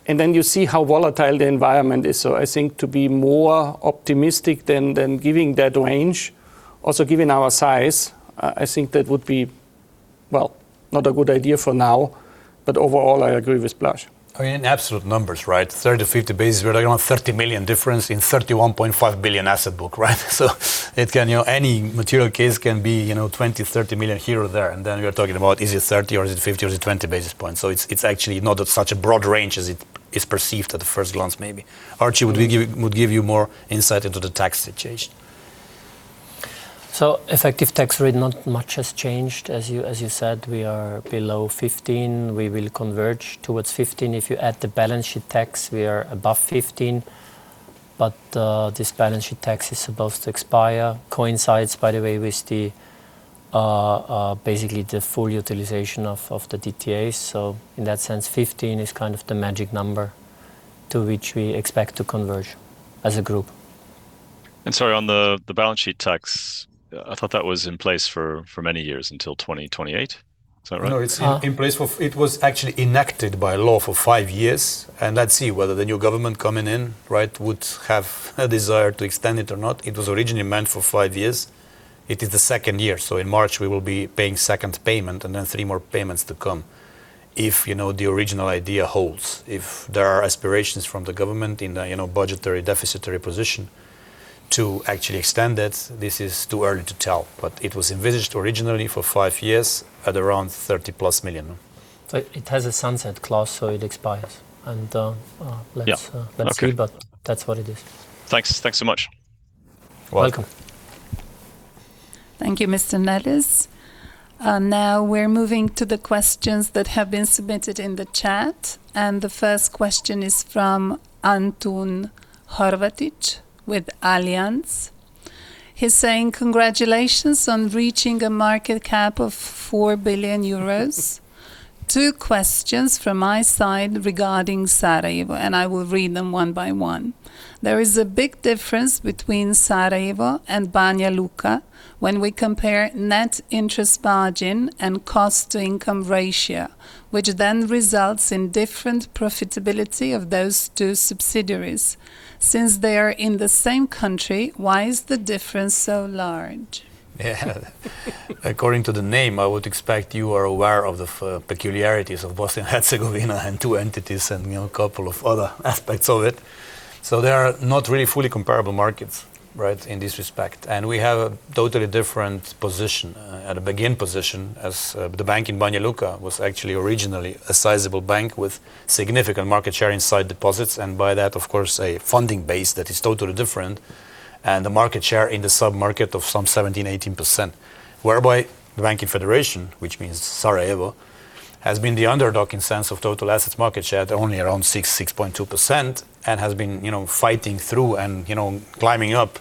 and then you see how volatile the environment is. So I think to be more optimistic than, than giving that range, also given our size, I think that would be, well, not a good idea for now, but overall, I agree with Blaž. I mean, in absolute numbers, right, 30 to 50 basis points, we're talking about 30 million difference in 31.5 billion asset book, right? So it can, you know, any material case can be, you know, 20 million, 30 million here or there, and then we are talking about is it 30, or is it 50, or is it 20 basis points? So it's, it's actually not at such a broad range as it is perceived at the first glance, maybe. Archie, would we give—would give you more insight into the tax situation. So effective tax rate, not much has changed. As you, as you said, we are below 15%. We will converge towards 15%. If you add the balance sheet tax, we are above 15%, but this balance sheet tax is supposed to expire. Coincides, by the way, with the basically the full utilization of the DTA. So in that sense, 15% is kind of the magic number to which we expect to converge as a group. Sorry, on the balance sheet tax, I thought that was in place for many years until 2028. Is that right? No, it's in place for... It was actually enacted by law for five years, and let's see whether the new government coming in, right, would have a desire to extend it or not. It was originally meant for five years. It is the second year, so in March we will be paying second payment, and then three more payments to come. If, you know, the original idea holds, if there are aspirations from the government in a, you know, budgetary, deficitary position to actually extend it, this is too early to tell, but it was envisaged originally for five years at around 30+ million. So it has a sunset clause, so it expires, and... Yeah. Let's see. Okay. But that's what it is. Thanks. Thanks so much. Welcome. Welcome. Thank you, Mr. Nellis. Now we're moving to the questions that have been submitted in the chat, and the first question is from Antun Horvatić with Allianz. He's saying, "Congratulations on reaching a market cap of 4 billion euros. Two questions from my side regarding Sarajevo," and I will read them one by one. "There is a big difference between Sarajevo and Banja Luka when we compare net interest margin and cost-to-income ratio, which then results in different profitability of those two subsidiaries. Since they are in the same country, why is the difference so large? Yeah. According to the name, I would expect you are aware of the peculiarities of Bosnia and Herzegovina and two entities and, you know, a couple of other aspects of it. So they are not really fully comparable markets, right, in this respect. And we have a totally different position at a beginning position as the bank in Banja Luka was actually originally a sizable bank with significant market share inside deposits, and by that, of course, a funding base that is totally different and the market share in the sub-market of some 17%-18%. Whereby the bank in Federation, which means Sarajevo, has been the underdog in sense of total assets market share, at only around 6, 6.2%, and has been, you know, fighting through and, you know, climbing up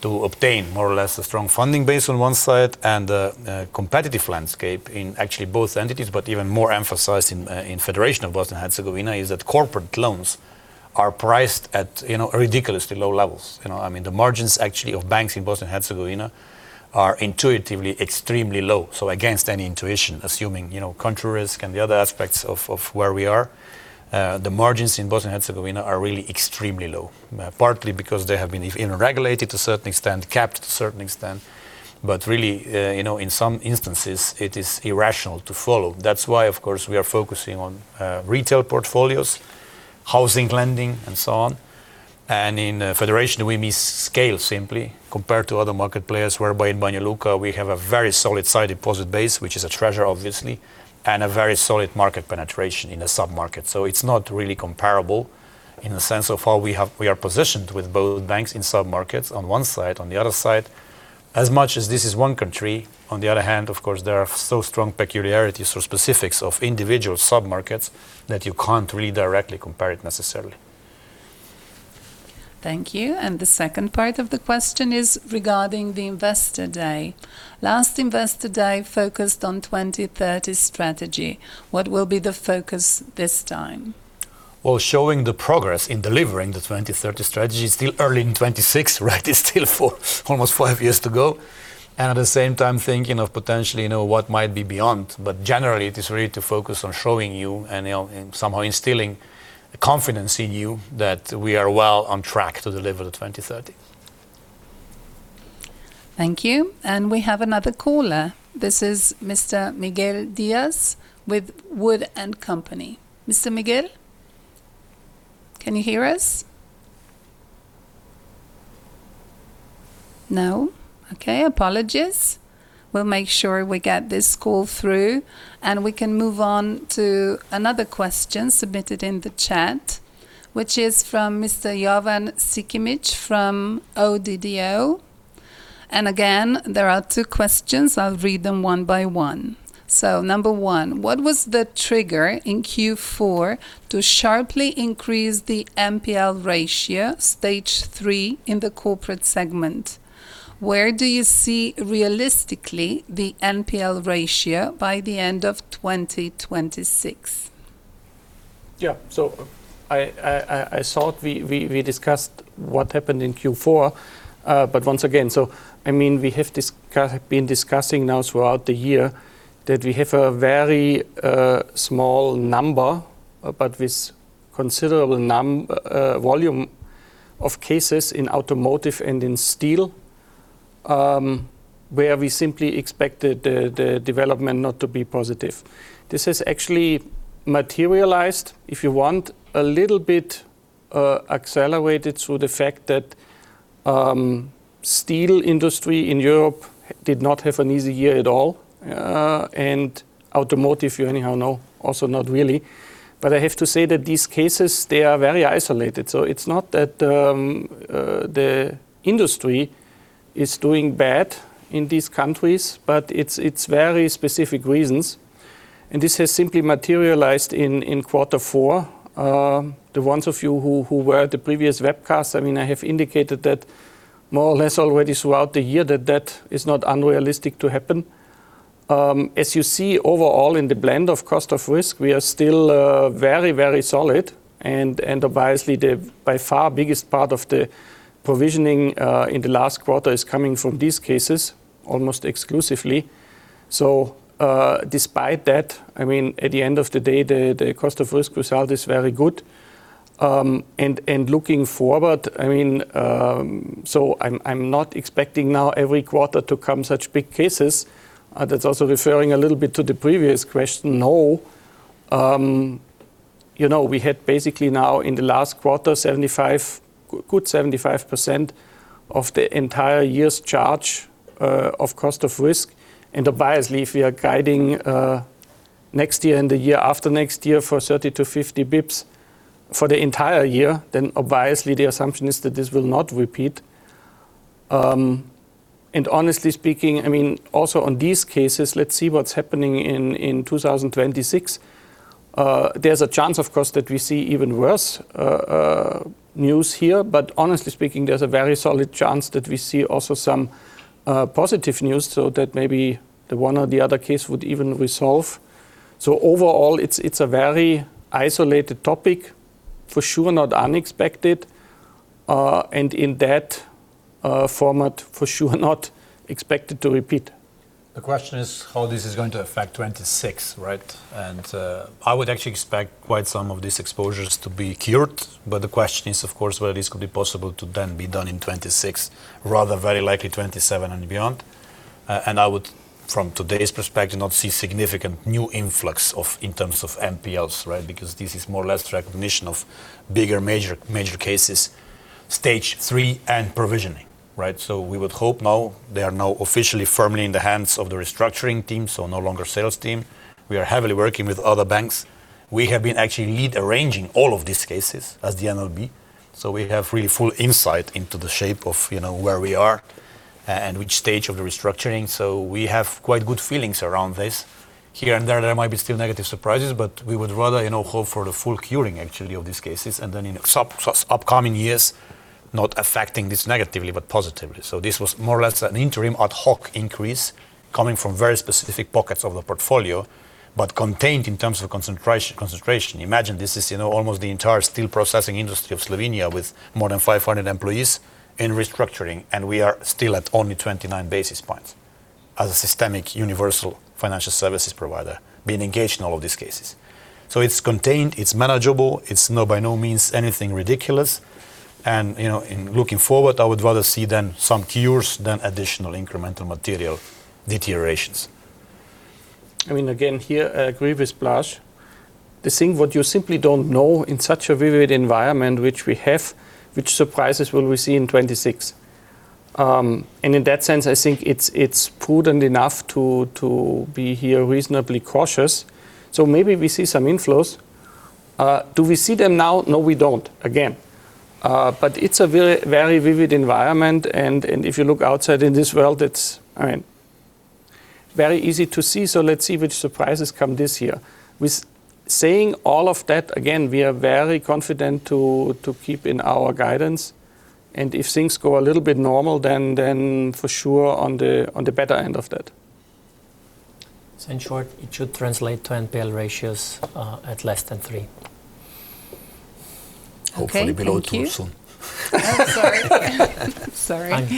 to obtain more or less a strong funding base on one side and a competitive landscape in actually both entities. But even more emphasized in, in Federation of Bosnia and Herzegovina is that corporate loans are priced at, you know, ridiculously low levels. You know, I mean, the margins actually of banks in Bosnia and Herzegovina are intuitively extremely low. So against any intuition, assuming, you know, country risk and the other aspects of, of where we are, the margins in Bosnia and Herzegovina are really extremely low. Partly because they have been regulated to a certain extent, capped to a certain extent, but really, you know, in some instances it is irrational to follow. That's why, of course, we are focusing on retail portfolios, housing lending, and so on. In the Federation, we lack scale simply compared to other market players, whereby in Banja Luka, we have a very sizable deposit base, which is a treasure, obviously, and a very solid market penetration in the sub-market. So it's not really comparable in the sense of how we are positioned with both banks in sub-markets on one side. On the other side, as much as this is one country, on the other hand, of course, there are so strong peculiarities or specifics of individual sub-markets that you can't really directly compare it necessarily. Thank you. The second part of the question is regarding the Investor Day. Last Investor Day focused on 2030 strategy. What will be the focus this time? Well, showing the progress in delivering the 2030 strategy. It's still early in 2026, right? It's still four-almost five years to go, and at the same time thinking of potentially, you know, what might be beyond. But generally, it is really to focus on showing you and, you know, and somehow instilling confidence in you that we are well on track to deliver the 2030. Thank you. We have another caller. This is Mr. Miguel Dias with WOOD & Company. Mr. Miguel, can you hear us? No. Okay, apologies. We'll make sure we get this call through, and we can move on to another question submitted in the chat, which is from Mr. Jovan Sikimic from ODDO. Again, there are two questions. I'll read them one by one. 1: What was the trigger in Q4 to sharply increase the NPL ratio, Stage 3 in the corporate segment? Where do you see realistically the NPL ratio by the end of 2026? Yeah. So I thought we discussed what happened in Q4, but once again, so I mean, we have been discussing now throughout the year that we have a very small number, but with considerable volume of cases in automotive and in steel, where we simply expected the development not to be positive. This has actually materialized, if you want, a little bit accelerated through the fact that steel industry in Europe did not have an easy year at all, and automotive, you anyhow know, also not really. But I have to say that these cases, they are very isolated. So it's not that the industry is doing bad in these countries, but it's very specific reasons, and this has simply materialized in quarter four. The ones of you who were at the previous webcast, I mean, I have indicated that more or less already throughout the year, that is not unrealistic to happen. As you see, overall, in the blend of cost of risk, we are still very, very solid and obviously, the by far biggest part of the provisioning in the last quarter is coming from these cases, almost exclusively. So, despite that, I mean, at the end of the day, the cost of risk result is very good. And looking forward, I mean, so I'm not expecting now every quarter to come such big cases. That's also referring a little bit to the previous question. No, you know, we had basically now in the last quarter, 75%, good 75% of the entire year's charge of cost of risk. And obviously, if we are guiding next year and the year after next year for 30-50 basis points for the entire year, then obviously, the assumption is that this will not repeat. And honestly speaking, I mean, also on these cases, let's see what's happening in 2026. There's a chance, of course, that we see even worse news here, but honestly speaking, there's a very solid chance that we see also some positive news, so that maybe the one or the other case would even resolve. So overall, it's a very isolated topic. For sure, not unexpected, and in that format, for sure, not expected to repeat. The question is how this is going to affect 2026, right? And, I would actually expect quite some of these exposures to be cured. But the question is, of course, whether this could be possible to then be done in 2026, rather very likely 2027 and beyond. And I would, from today's perspective, not see significant new influx of in terms of NPLs, right? Because this is more or less recognition of bigger, major, major cases, Stage 3, and provisioning, right? So we would hope now they are now officially firmly in the hands of the restructuring team, so no longer sales team. We are heavily working with other banks. We have been actually lead arranging all of these cases as the NLB, so we have really full insight into the shape of, you know, where we are and which stage of the restructuring. So we have quite good feelings around this. Here and there, there might be still negative surprises, but we would rather, you know, hope for the full curing, actually, of these cases, and then in upcoming years, not affecting this negatively, but positively. So this was more or less an interim ad hoc increase coming from very specific pockets of the portfolio, but contained in terms of concentration. Imagine this is, you know, almost the entire steel processing industry of Slovenia, with more than 500 employees in restructuring, and we are still at only 29 basis points as a systemic universal financial services provider, being engaged in all of these cases. So it's contained, it's manageable, it's by no means anything ridiculous. And, you know, in looking forward, I would rather see then some cures than additional incremental material deteriorations.... I mean, again, here, I agree with Blaž. The thing what you simply don't know in such a vivid environment, which we have, which surprises will we see in 2026? And in that sense, I think it's prudent enough to be here reasonably cautious. So maybe we see some inflows. Do we see them now? No, we don't, again. But it's a very, very vivid environment, and if you look outside in this world, it's, I mean, very easy to see. So let's see which surprises come this year. With saying all of that, again, we are very confident to keep in our guidance, and if things go a little bit normal, then for sure on the better end of that. So in short, it should translate to NPL ratios at less than three. Hopefully below 2 soon. Okay, thank you. Oh, sorry.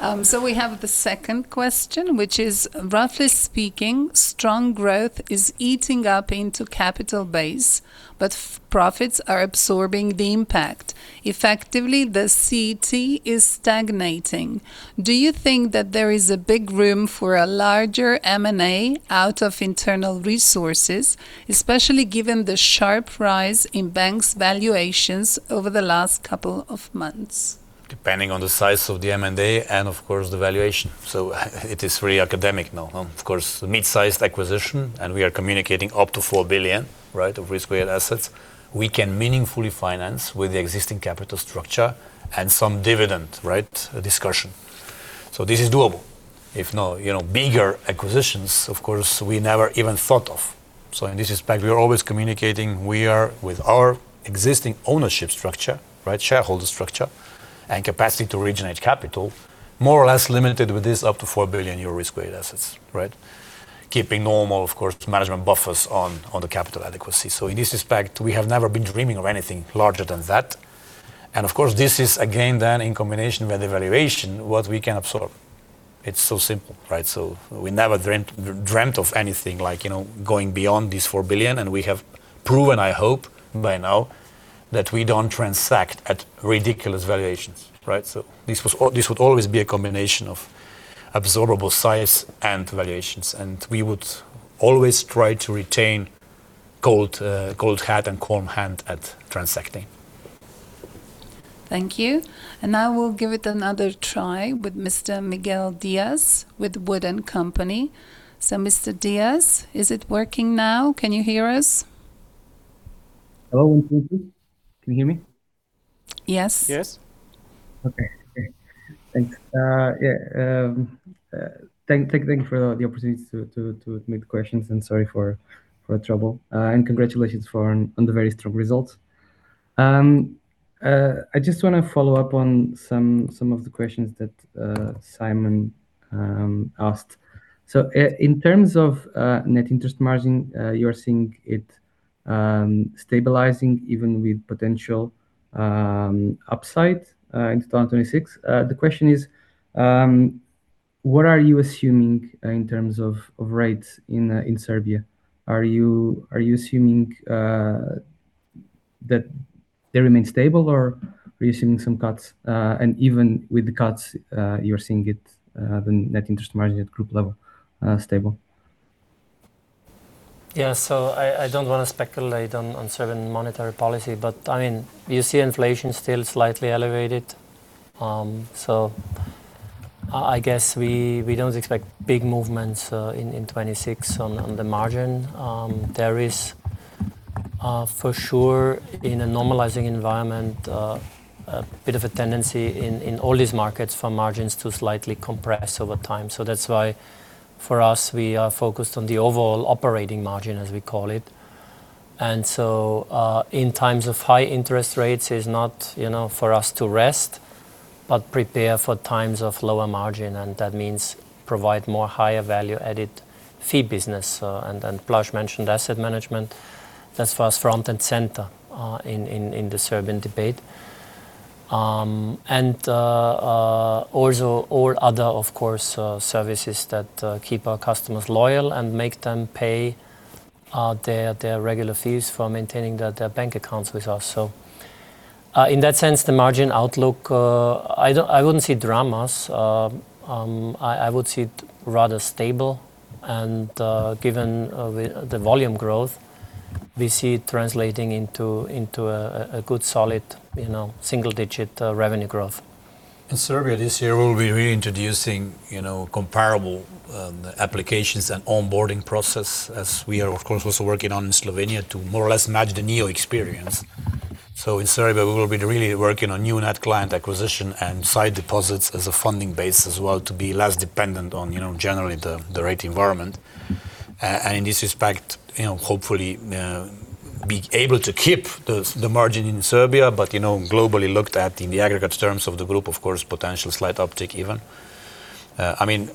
Sorry. So we have the second question, which is, roughly speaking, strong growth is eating up into capital base, but profits are absorbing the impact. Effectively, the CET1 is stagnating. Do you think that there is a big room for a larger M&A out of internal resources, especially given the sharp rise in bank's valuations over the last couple of months? Depending on the size of the M&A, and of course, the valuation. So it is very academic now. Of course, the mid-sized acquisition, and we are communicating up to 4 billion, right, of risk-weighted assets, we can meaningfully finance with the existing capital structure and some dividend, right, discussion. So this is doable. If not, you know, bigger acquisitions, of course, we never even thought of. So in this respect, we are always communicating, we are with our existing ownership structure, right, shareholder structure, and capacity to originate capital, more or less limited with this up to 4 billion euro risk-weighted assets, right? Keeping normal, of course, management buffers on, on the capital adequacy. So in this respect, we have never been dreaming of anything larger than that. And of course, this is again, then in combination with the valuation, what we can absorb. It's so simple, right? So we never dreamt of anything like, you know, going beyond this 4 billion, and we have proven, I hope, by now, that we don't transact at ridiculous valuations, right? So this would always be a combination of absorbable size and valuations, and we would always try to retain cold head and calm hand at transacting. Thank you. Now we'll give it another try with Mr. Miguel Dias, with WOOD & Company. So Mr. Dias, is it working now? Can you hear us? Hello. Can you hear me? Yes. Yes. Okay, great. Thanks. Thank you for the opportunity to submit the questions, and sorry for the trouble. And congratulations on the very strong results. I just want to follow up on some of the questions that Simon asked. So in terms of net interest margin, you're seeing it stabilizing even with potential upside in 2026. The question is, what are you assuming in terms of rates in Serbia? Are you assuming that they remain stable, or are you assuming some cuts? And even with the cuts, you're seeing the net interest margin at group level stable. Yeah. So I don't want to speculate on Serbian monetary policy, but I mean, you see inflation still slightly elevated. So I guess we don't expect big movements in 2026 on the margin. There is, for sure, in a normalizing environment, a bit of a tendency in all these markets for margins to slightly compress over time. So that's why for us, we are focused on the overall operating margin, as we call it. And so, in times of high interest rates, it's not, you know, for us to rest, but prepare for times of lower margin, and that means provide more higher value-added fee business. And then Blaž mentioned asset management. That's for us front and center in the Serbian debate. And also all other, of course, services that keep our customers loyal and make them pay their regular fees for maintaining their bank accounts with us. So, in that sense, the margin outlook, I wouldn't say dramas. I would see it rather stable and, given the volume growth, we see it translating into a good solid, you know, single-digit revenue growth. In Serbia, this year, we'll be reintroducing, you know, comparable applications and onboarding process, as we are of course also working on in Slovenia to more or less match the neo experience. So in Serbia, we will be really working on new net client acquisition and side deposits as a funding base as well to be less dependent on, you know, generally the rate environment. And in this respect, you know, hopefully be able to keep the margin in Serbia, but, you know, globally looked at in the aggregate terms of the group, of course, potential slight uptick even. I mean,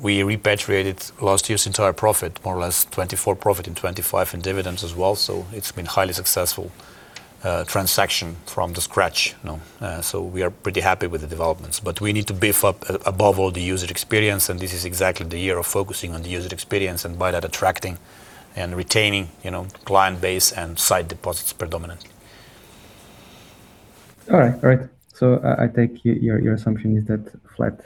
we repatriated last year's entire profit, more or less 2024 profit and 2025 in dividends as well, so it's been highly successful transaction from the scratch, you know. So we are pretty happy with the developments, but we need to beef up above all the user experience, and this is exactly the year of focusing on the user experience, and by that, attracting and retaining, you know, client base and site deposits predominantly.... All right. All right. So, I take your assumption is that flat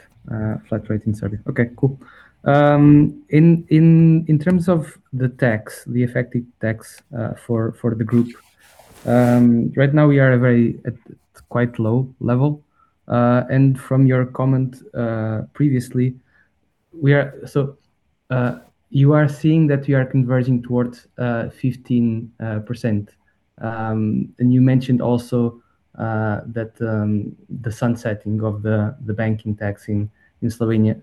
rate in Serbia. Okay, cool. In terms of the tax, the effective tax for the group, right now we are at quite a low level. And from your comment previously, we are— So, you are seeing that we are converging towards 15%. And you mentioned also that the sunsetting of the banking tax in Slovenia.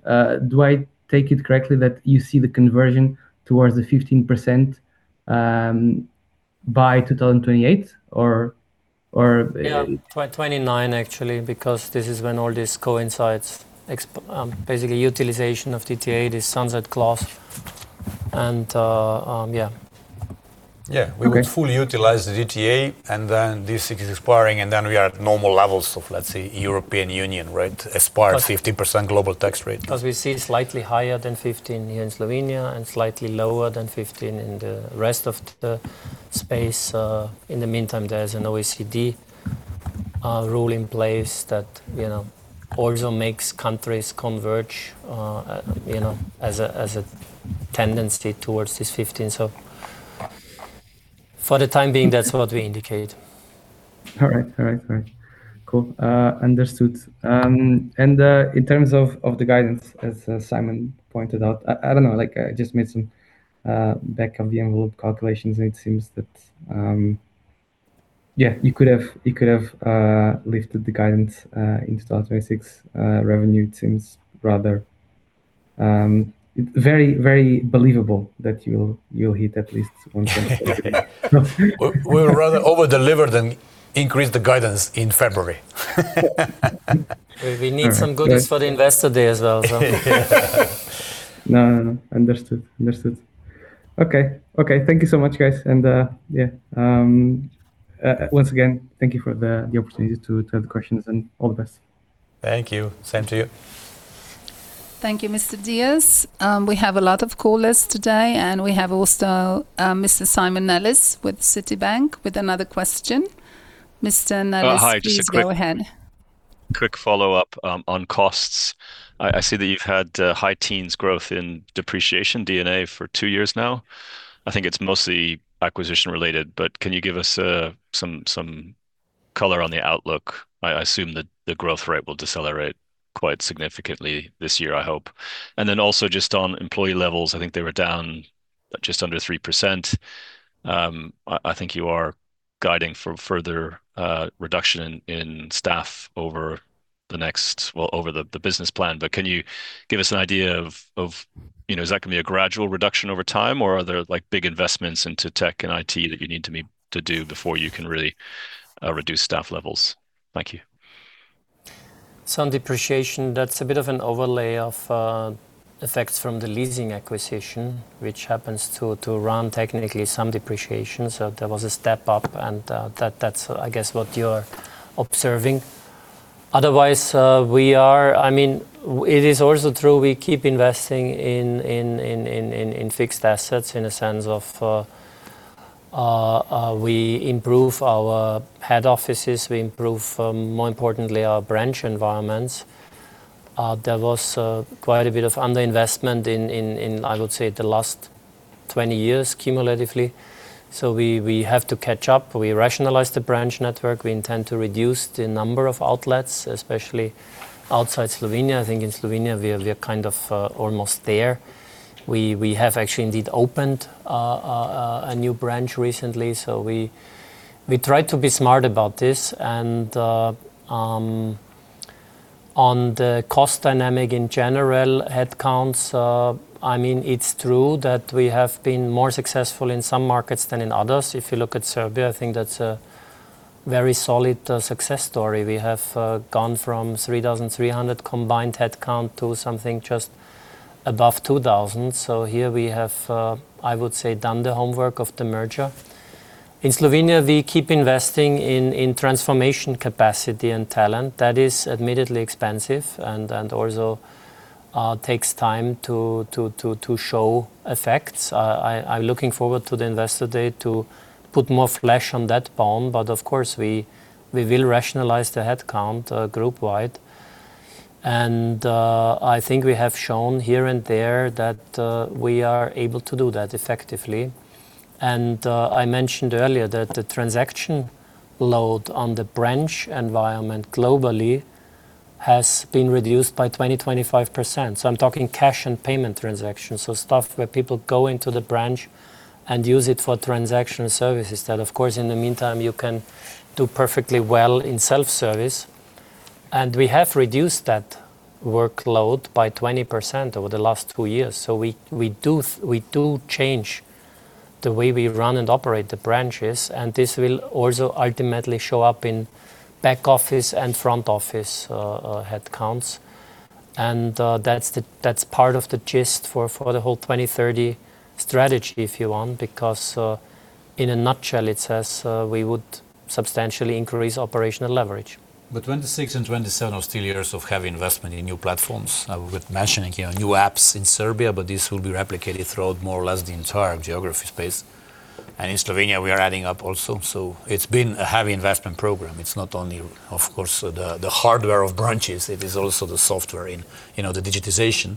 Do I take it correctly that you see the conversion towards the 15% by 2028 or... Yeah, 2029, actually, because this is when all this coincides. Basically utilization of DTA, this sunset clause, and yeah. Yeah. Okay. We will fully utilize the DTA, and then this is expiring, and then we are at normal levels of, let's say, European Union, right? aspire 50% global tax rate. As we see, slightly higher than 15% here in Slovenia, and slightly lower than 15% in the rest of the space. In the meantime, there's an OECD rule in place that, you know, also makes countries converge, you know, as a, as a tendency towards this 15%. So for the time being, that's what we indicate. All right. All right. All right. Cool. Understood. And in terms of the guidance, as Simon pointed out, I don't know, like, I just made some back-of-the-envelope calculations, and it seems that... Yeah, you could have lifted the guidance in 2026. Revenue seems rather very, very believable that you'll hit at least one point. We would rather over-deliver than increase the guidance in February. We need some goodies for the investor day as well, so. No, no, no. Understood. Understood. Okay. Okay, thank you so much, guys. And, yeah, once again, thank you for the opportunity to ask the questions, and all the best. Thank you. Same to you. Thank you, Mr. Dias. We have a lot of callers today, and we have also Mr. Simon Nellis with Citibank, with another question. Mr. Nellis- Hi, just a quick- Please go ahead. Quick follow-up on costs. I see that you've had high teens growth in depreciation, D&A, for two years now. I think it's mostly acquisition related, but can you give us some color on the outlook? I assume that the growth rate will decelerate quite significantly this year, I hope. And then also just on employee levels, I think they were down just under 3%. I think you are guiding for further reduction in staff over the next... Well, over the business plan. But can you give us an idea of, you know, is that gonna be a gradual reduction over time, or are there, like, big investments into tech and IT that you need to do before you can really reduce staff levels? Thank you. Some depreciation, that's a bit of an overlay of effects from the leasing acquisition, which happens to run technically some depreciation. So there was a step up and, that, that's I guess, what you're observing. Otherwise, we are... I mean, it is also true, we keep investing in fixed assets, in a sense of, we improve our head offices, we improve, more importantly, our branch environments. There was quite a bit of underinvestment in, I would say, the last 20 years, cumulatively. So we have to catch up. We rationalize the branch network. We intend to reduce the number of outlets, especially outside Slovenia. I think in Slovenia, we are kind of almost there. We have actually indeed opened a new branch recently, so we try to be smart about this. And on the cost dynamic in general, headcounts, I mean, it's true that we have been more successful in some markets than in others. If you look at Serbia, I think that's a very solid success story. We have gone from 3,300 combined headcount to something just above 2,000. So here we have, I would say, done the homework of the merger. In Slovenia, we keep investing in transformation capacity and talent. That is admittedly expensive and also takes time to show effects. I'm looking forward to the Investor Day to put more flesh on that bone. But of course, we will rationalize the headcount group-wide. I think we have shown here and there that we are able to do that effectively. I mentioned earlier that the transaction load on the branch environment globally has been reduced by 20%-25%. So I'm talking cash and payment transactions, so stuff where people go into the branch and use it for transactional services, that of course, in the meantime, you can do perfectly well in self-service. We have reduced that workload by 20% over the last two years. So we do change the way we run and operate the branches, and this will also ultimately show up in back office and front office headcounts. That's part of the gist for the whole 2030 strategy, if you want, because in a nutshell, it says we would substantially increase operational leverage. ... But 2026 and 2027 are still years of heavy investment in new platforms. I want mentioning here new apps in Serbia, but this will be replicated throughout more or less the entire geography space. And in Slovenia, we are adding up also. So it's been a heavy investment program. It's not only, of course, the hardware of branches, it is also the software in, you know, the digitization.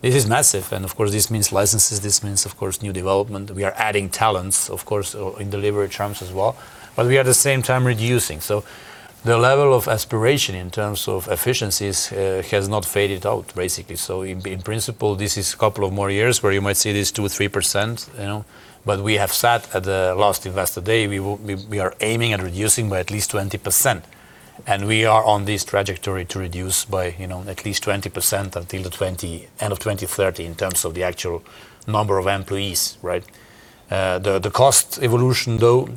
This is massive, and of course, this means licenses, this means, of course, new development. We are adding talents, of course, in delivery terms as well. But we are at the same time reducing. So the level of aspiration in terms of efficiencies has not faded out, basically. So in principle, this is a couple of more years where you might see this 2%-3%, you know, but we have said at the last Investor Day, we are aiming at reducing by at least 20%, and we are on this trajectory to reduce by, you know, at least 20% until the end of 2030, in terms of the actual number of employees, right? The cost evolution, though,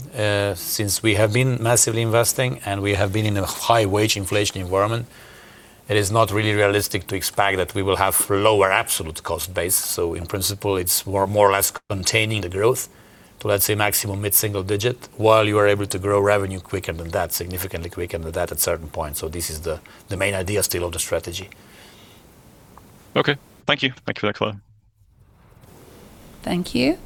since we have been massively investing and we have been in a high wage inflation environment, it is not really realistic to expect that we will have lower absolute cost base. So in principle, it's more or less containing the growth to, let's say, maximum mid-single digit, while you are able to grow revenue quicker than that, significantly quicker than that at certain point. This is the main idea still of the strategy. Okay. Thank you. Thank you for that clarity. Thank you.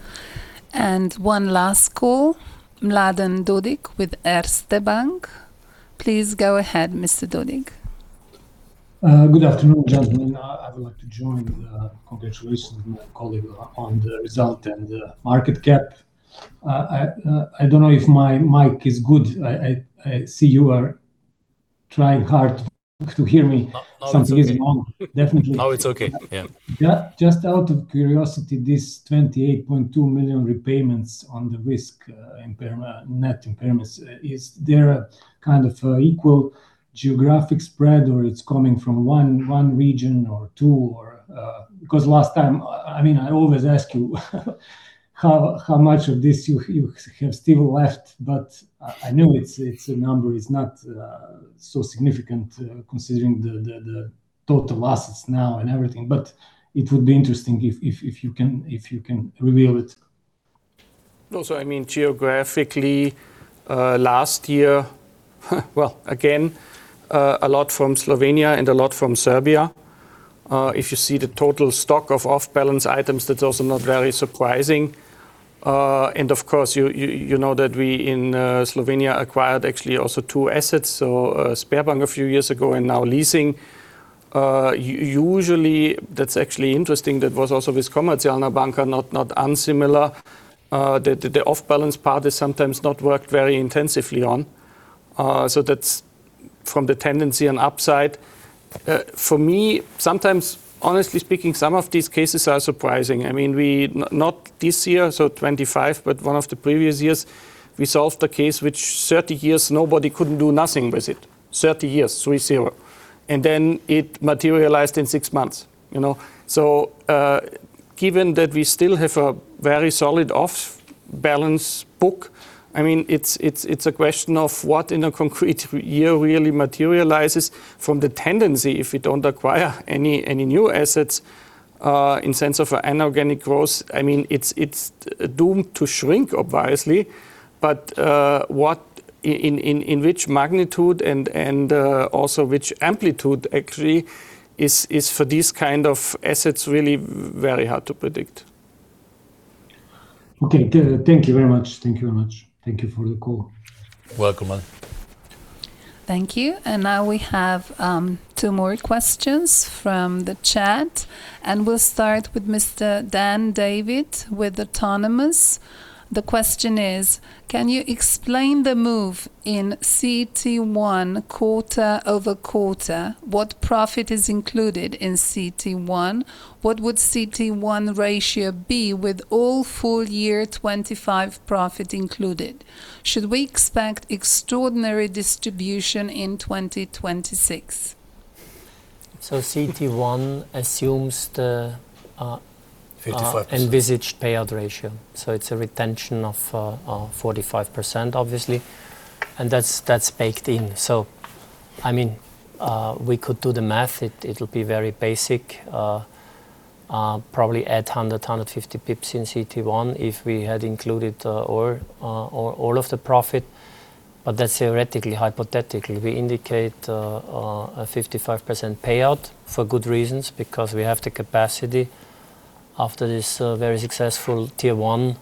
One last call, Mladen Dodig with Erste Bank. Please go ahead, Mr. Dodig. Good afternoon, gentlemen. I would like to join congratulations my colleague on the result and market cap. I don't know if my mic is good. I see you are trying hard to hear me. No, no, Something is wrong. Definitely. No, it's okay. Yeah. Yeah, just out of curiosity, this 28.2 million repayments on the risk, impairment, net impairments, is there a kind of equal geographic spread, or it's coming from one region or two, or... Because last time, I mean, I always ask you, how much of this you have still left, but I know it's a number. It's not so significant, considering the total assets now and everything. But it would be interesting if you can reveal it. Also, I mean, geographically, last year, well, again, a lot from Slovenia and a lot from Serbia. If you see the total stock of off-balance items, that's also not very surprising. And of course, you know that we in Slovenia acquired actually also two assets, so, Sberbank a few years ago and now leasing. Usually, that's actually interesting. That was also with Komercijalna Banka, not unsimilar. The off-balance part is sometimes not worked very intensively on. So that's from the tendency and upside. For me, sometimes, honestly speaking, some of these cases are surprising. I mean, we... Not this year, so 2025, but one of the previous years, we solved a case which 30 years, nobody couldn't do nothing with it. Thirty years, three-zero, and then it materialized in six months, you know? So, given that we still have a very solid off-balance book, I mean, it's a question of what in a concrete year really materializes from the tendency if we don't acquire any new assets in sense of an inorganic growth. I mean, it's doomed to shrink, obviously, but what in which magnitude and also which amplitude actually is for these kind of assets really very hard to predict. Okay. Good. Thank you very much. Thank you very much. Thank you for the call. Welcome, Mladen. Thank you. And now we have two more questions from the chat, and we'll start with Mr. Dan David with Autonomous. The question is: Can you explain the move in CET1 quarter-over-quarter? What profit is included in CET1? What would CET1 ratio be with all full year 2025 profit included? Should we expect extraordinary distribution in 2026? So CET1 assumes the, Fifty-five. Envisaged payout ratio, so it's a retention of 45%, obviously, and that's baked in. So, I mean, we could do the math. It'll be very basic, probably at 150 basis points in CET1 if we had included all of the profit. But that's theoretically, hypothetically. We indicate a 55% payout for good reasons, because we have the capacity after this very successful Tier 1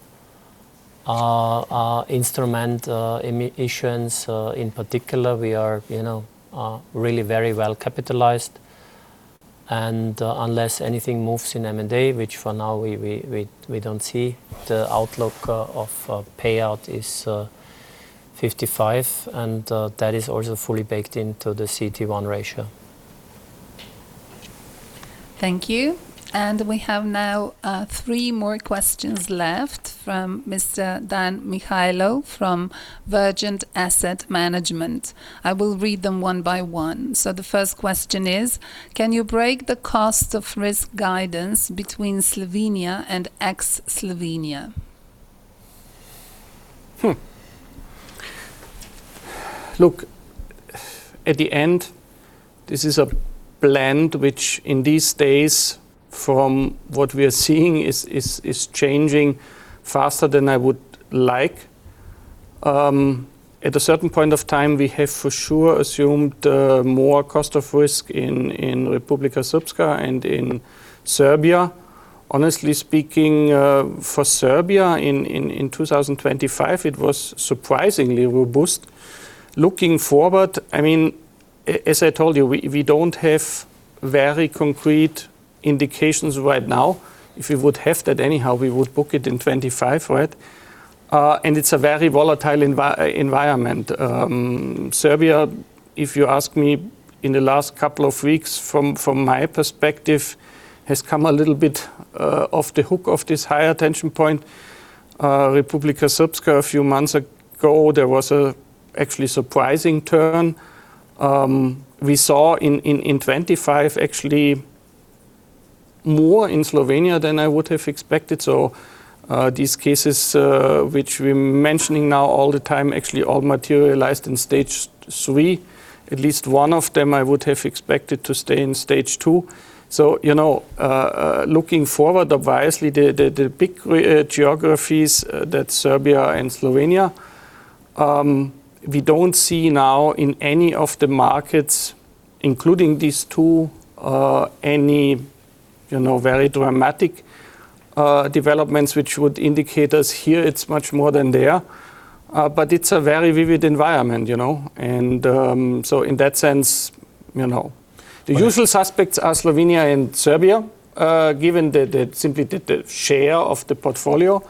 instrument issuance, in particular, we are, you know, really very well capitalized. Unless anything moves in M&A, which for now, we don't see, the outlook of payout is 55%, and that is also fully baked into the CET1 ratio. Thank you. And we have now three more questions left from Mr. Dan Mihajlo, from Vergent Asset Management. I will read them one by one. So the first question is: Can you break the cost of risk guidance between Slovenia and ex-Slovenia? Look, this is a blend which in these days, from what we are seeing, is changing faster than I would like. At a certain point of time, we have for sure assumed more cost of risk in Republika Srpska and in Serbia. Honestly speaking, for Serbia in 2025, it was surprisingly robust. Looking forward, I mean, as I told you, we don't have very concrete indications right now. If we would have that anyhow, we would book it in 2025, right? And it's a very volatile environment. Serbia, if you ask me, in the last couple of weeks, from my perspective, has come a little bit off the hook of this high attention point. Republika Srpska, a few months ago, there was actually surprising turn. We saw in 2025, actually, more in Slovenia than I would have expected. So, these cases, which we're mentioning now all the time, actually all materialized in Stage 3. At least one of them I would have expected to stay in Stage 2. So, you know, looking forward, obviously, the big geographies that Serbia and Slovenia, we don't see now in any of the markets, including these two, any, you know, very dramatic developments, which would indicate us here, it's much more than there. But it's a very vivid environment, you know? So in that sense, you know, the usual suspects are Slovenia and Serbia, given that simply the share of the portfolio.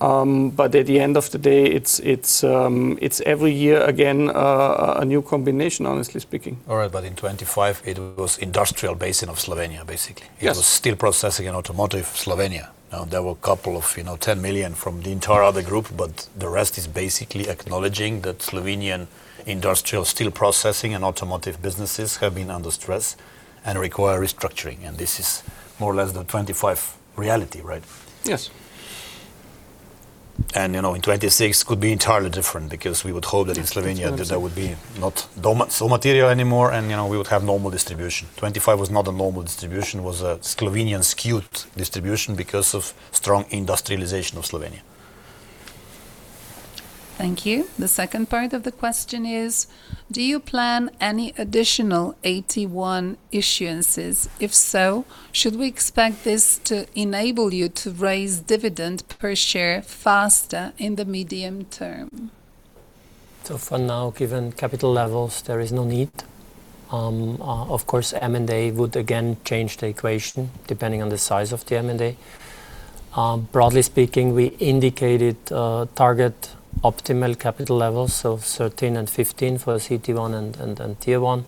At the end of the day, it's every year, again, a new combination, honestly speaking. All right, but in 2025, it was industrial base in Slovenia, basically. Yes. It was steel processing and automotive Slovenia. Now, there were a couple of, you know, 10 million from the entire other group, but the rest is basically acknowledging that Slovenian industrial steel processing and automotive businesses have been under stress and require restructuring, and this is more or less the 2025 reality, right? Yes. You know, in 2026 could be entirely different because we would hope that in Slovenia... Yes, twenty-six... there would be not raw material anymore, and, you know, we would have normal distribution. 2025 was not a normal distribution, it was a Slovenian skewed distribution because of strong industrialization of Slovenia. Thank you. The second part of the question is: Do you plan any additional AT1 issuances? If so, should we expect this to enable you to raise dividend per share faster in the medium term? So for now, given capital levels, there is no need. Of course, M&A would again change the equation, depending on the size of the M&A. Broadly speaking, we indicated target optimal capital levels, so 13% and 15% for CET1 and Tier 1.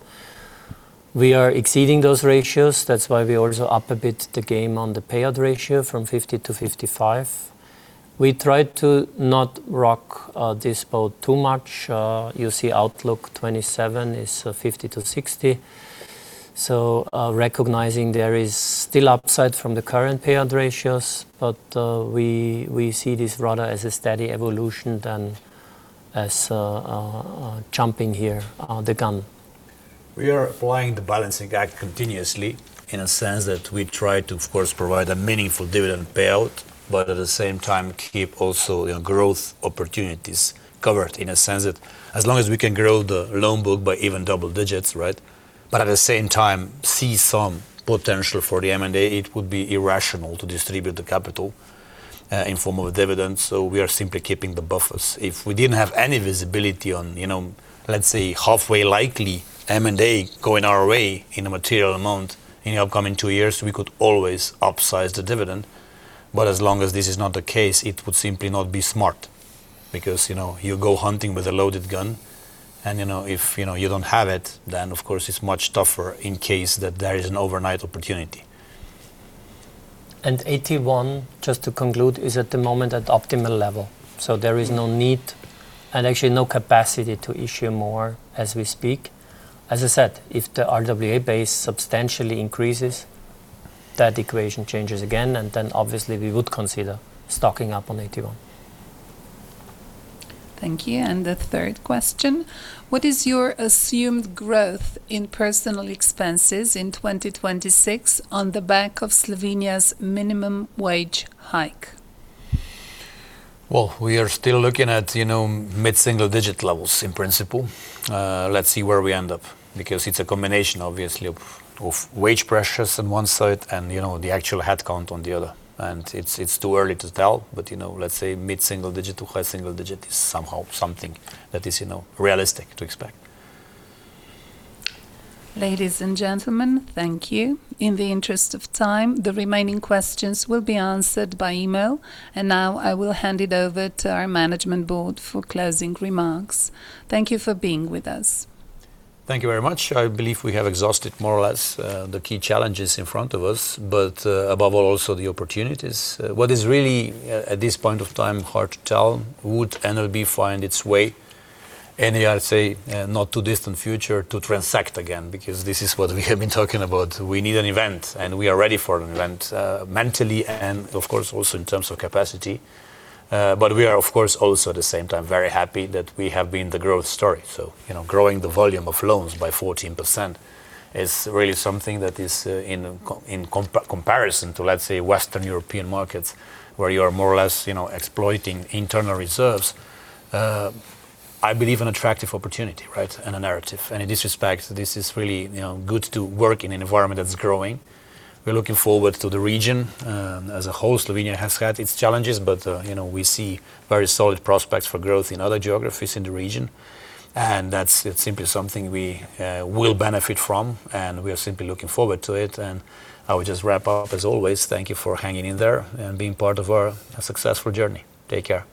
We are exceeding those ratios. That's why we also up a bit the game on the payout ratio from 50% to 55%. We try to not rock this boat too much. You see outlook 2027 is 50% to 60%, so recognizing there is still upside from the current payout ratios, but we see this rather as a steady evolution than as jumping here the gun. We are applying the balancing act continuously in a sense that we try to, of course, provide a meaningful dividend payout, but at the same time, keep also, you know, growth opportunities covered in a sense that as long as we can grow the loan book by even double digits, right? But at the same time, see some potential for the M&A, it would be irrational to distribute the capital in form of dividends, so we are simply keeping the buffers. If we didn't have any visibility on, you know, let's say, halfway likely M&A going our way in a material amount in the upcoming two years, we could always upsize the dividend. But as long as this is not the case, it would simply not be smart because, you know, you go hunting with a loaded gun, and, you know, if, you know, you don't have it, then, of course, it's much tougher in case that there is an overnight opportunity. AT1, just to conclude, is at the moment at optimal level. So there is no need, and actually no capacity to issue more as we speak. As I said, if the RWA base substantially increases, that equation changes again, and then obviously we would consider stocking up on AT1. Thank you. The third question: What is your assumed growth in personal expenses in 2026 on the back of Slovenia's minimum wage hike? Well, we are still looking at, you know, mid-single-digit levels in principle. Let's see where we end up, because it's a combination, obviously, of wage pressures on one side and, you know, the actual headcount on the other. And it's too early to tell, but, you know, let's say mid-single digit to high single digit is somehow something that is, you know, realistic to expect. Ladies and gentlemen, thank you. In the interest of time, the remaining questions will be answered by email. And now I will hand it over to our Management Board for closing remarks. Thank you for being with us. Thank you very much. I believe we have exhausted more or less the key challenges in front of us, but above all, also the opportunities. What is really at this point of time hard to tell: would NLB find its way any, I'd say, not too distant future, to transact again, because this is what we have been talking about. We need an event, and we are ready for an event mentally and, of course, also in terms of capacity. But we are, of course, also at the same time, very happy that we have been the growth story. So, you know, growing the volume of loans by 14% is really something that is in comparison to, let's say, Western European markets, where you are more or less, you know, exploiting internal reserves. I believe an attractive opportunity, right? And a narrative. And in this respect, this is really, you know, good to work in an environment that's growing. We're looking forward to the region. As a whole, Slovenia has had its challenges, but, you know, we see very solid prospects for growth in other geographies in the region, and that's, it's simply something we will benefit from, and we are simply looking forward to it, and I will just wrap up. As always, thank you for hanging in there and being part of our successful journey. Take care.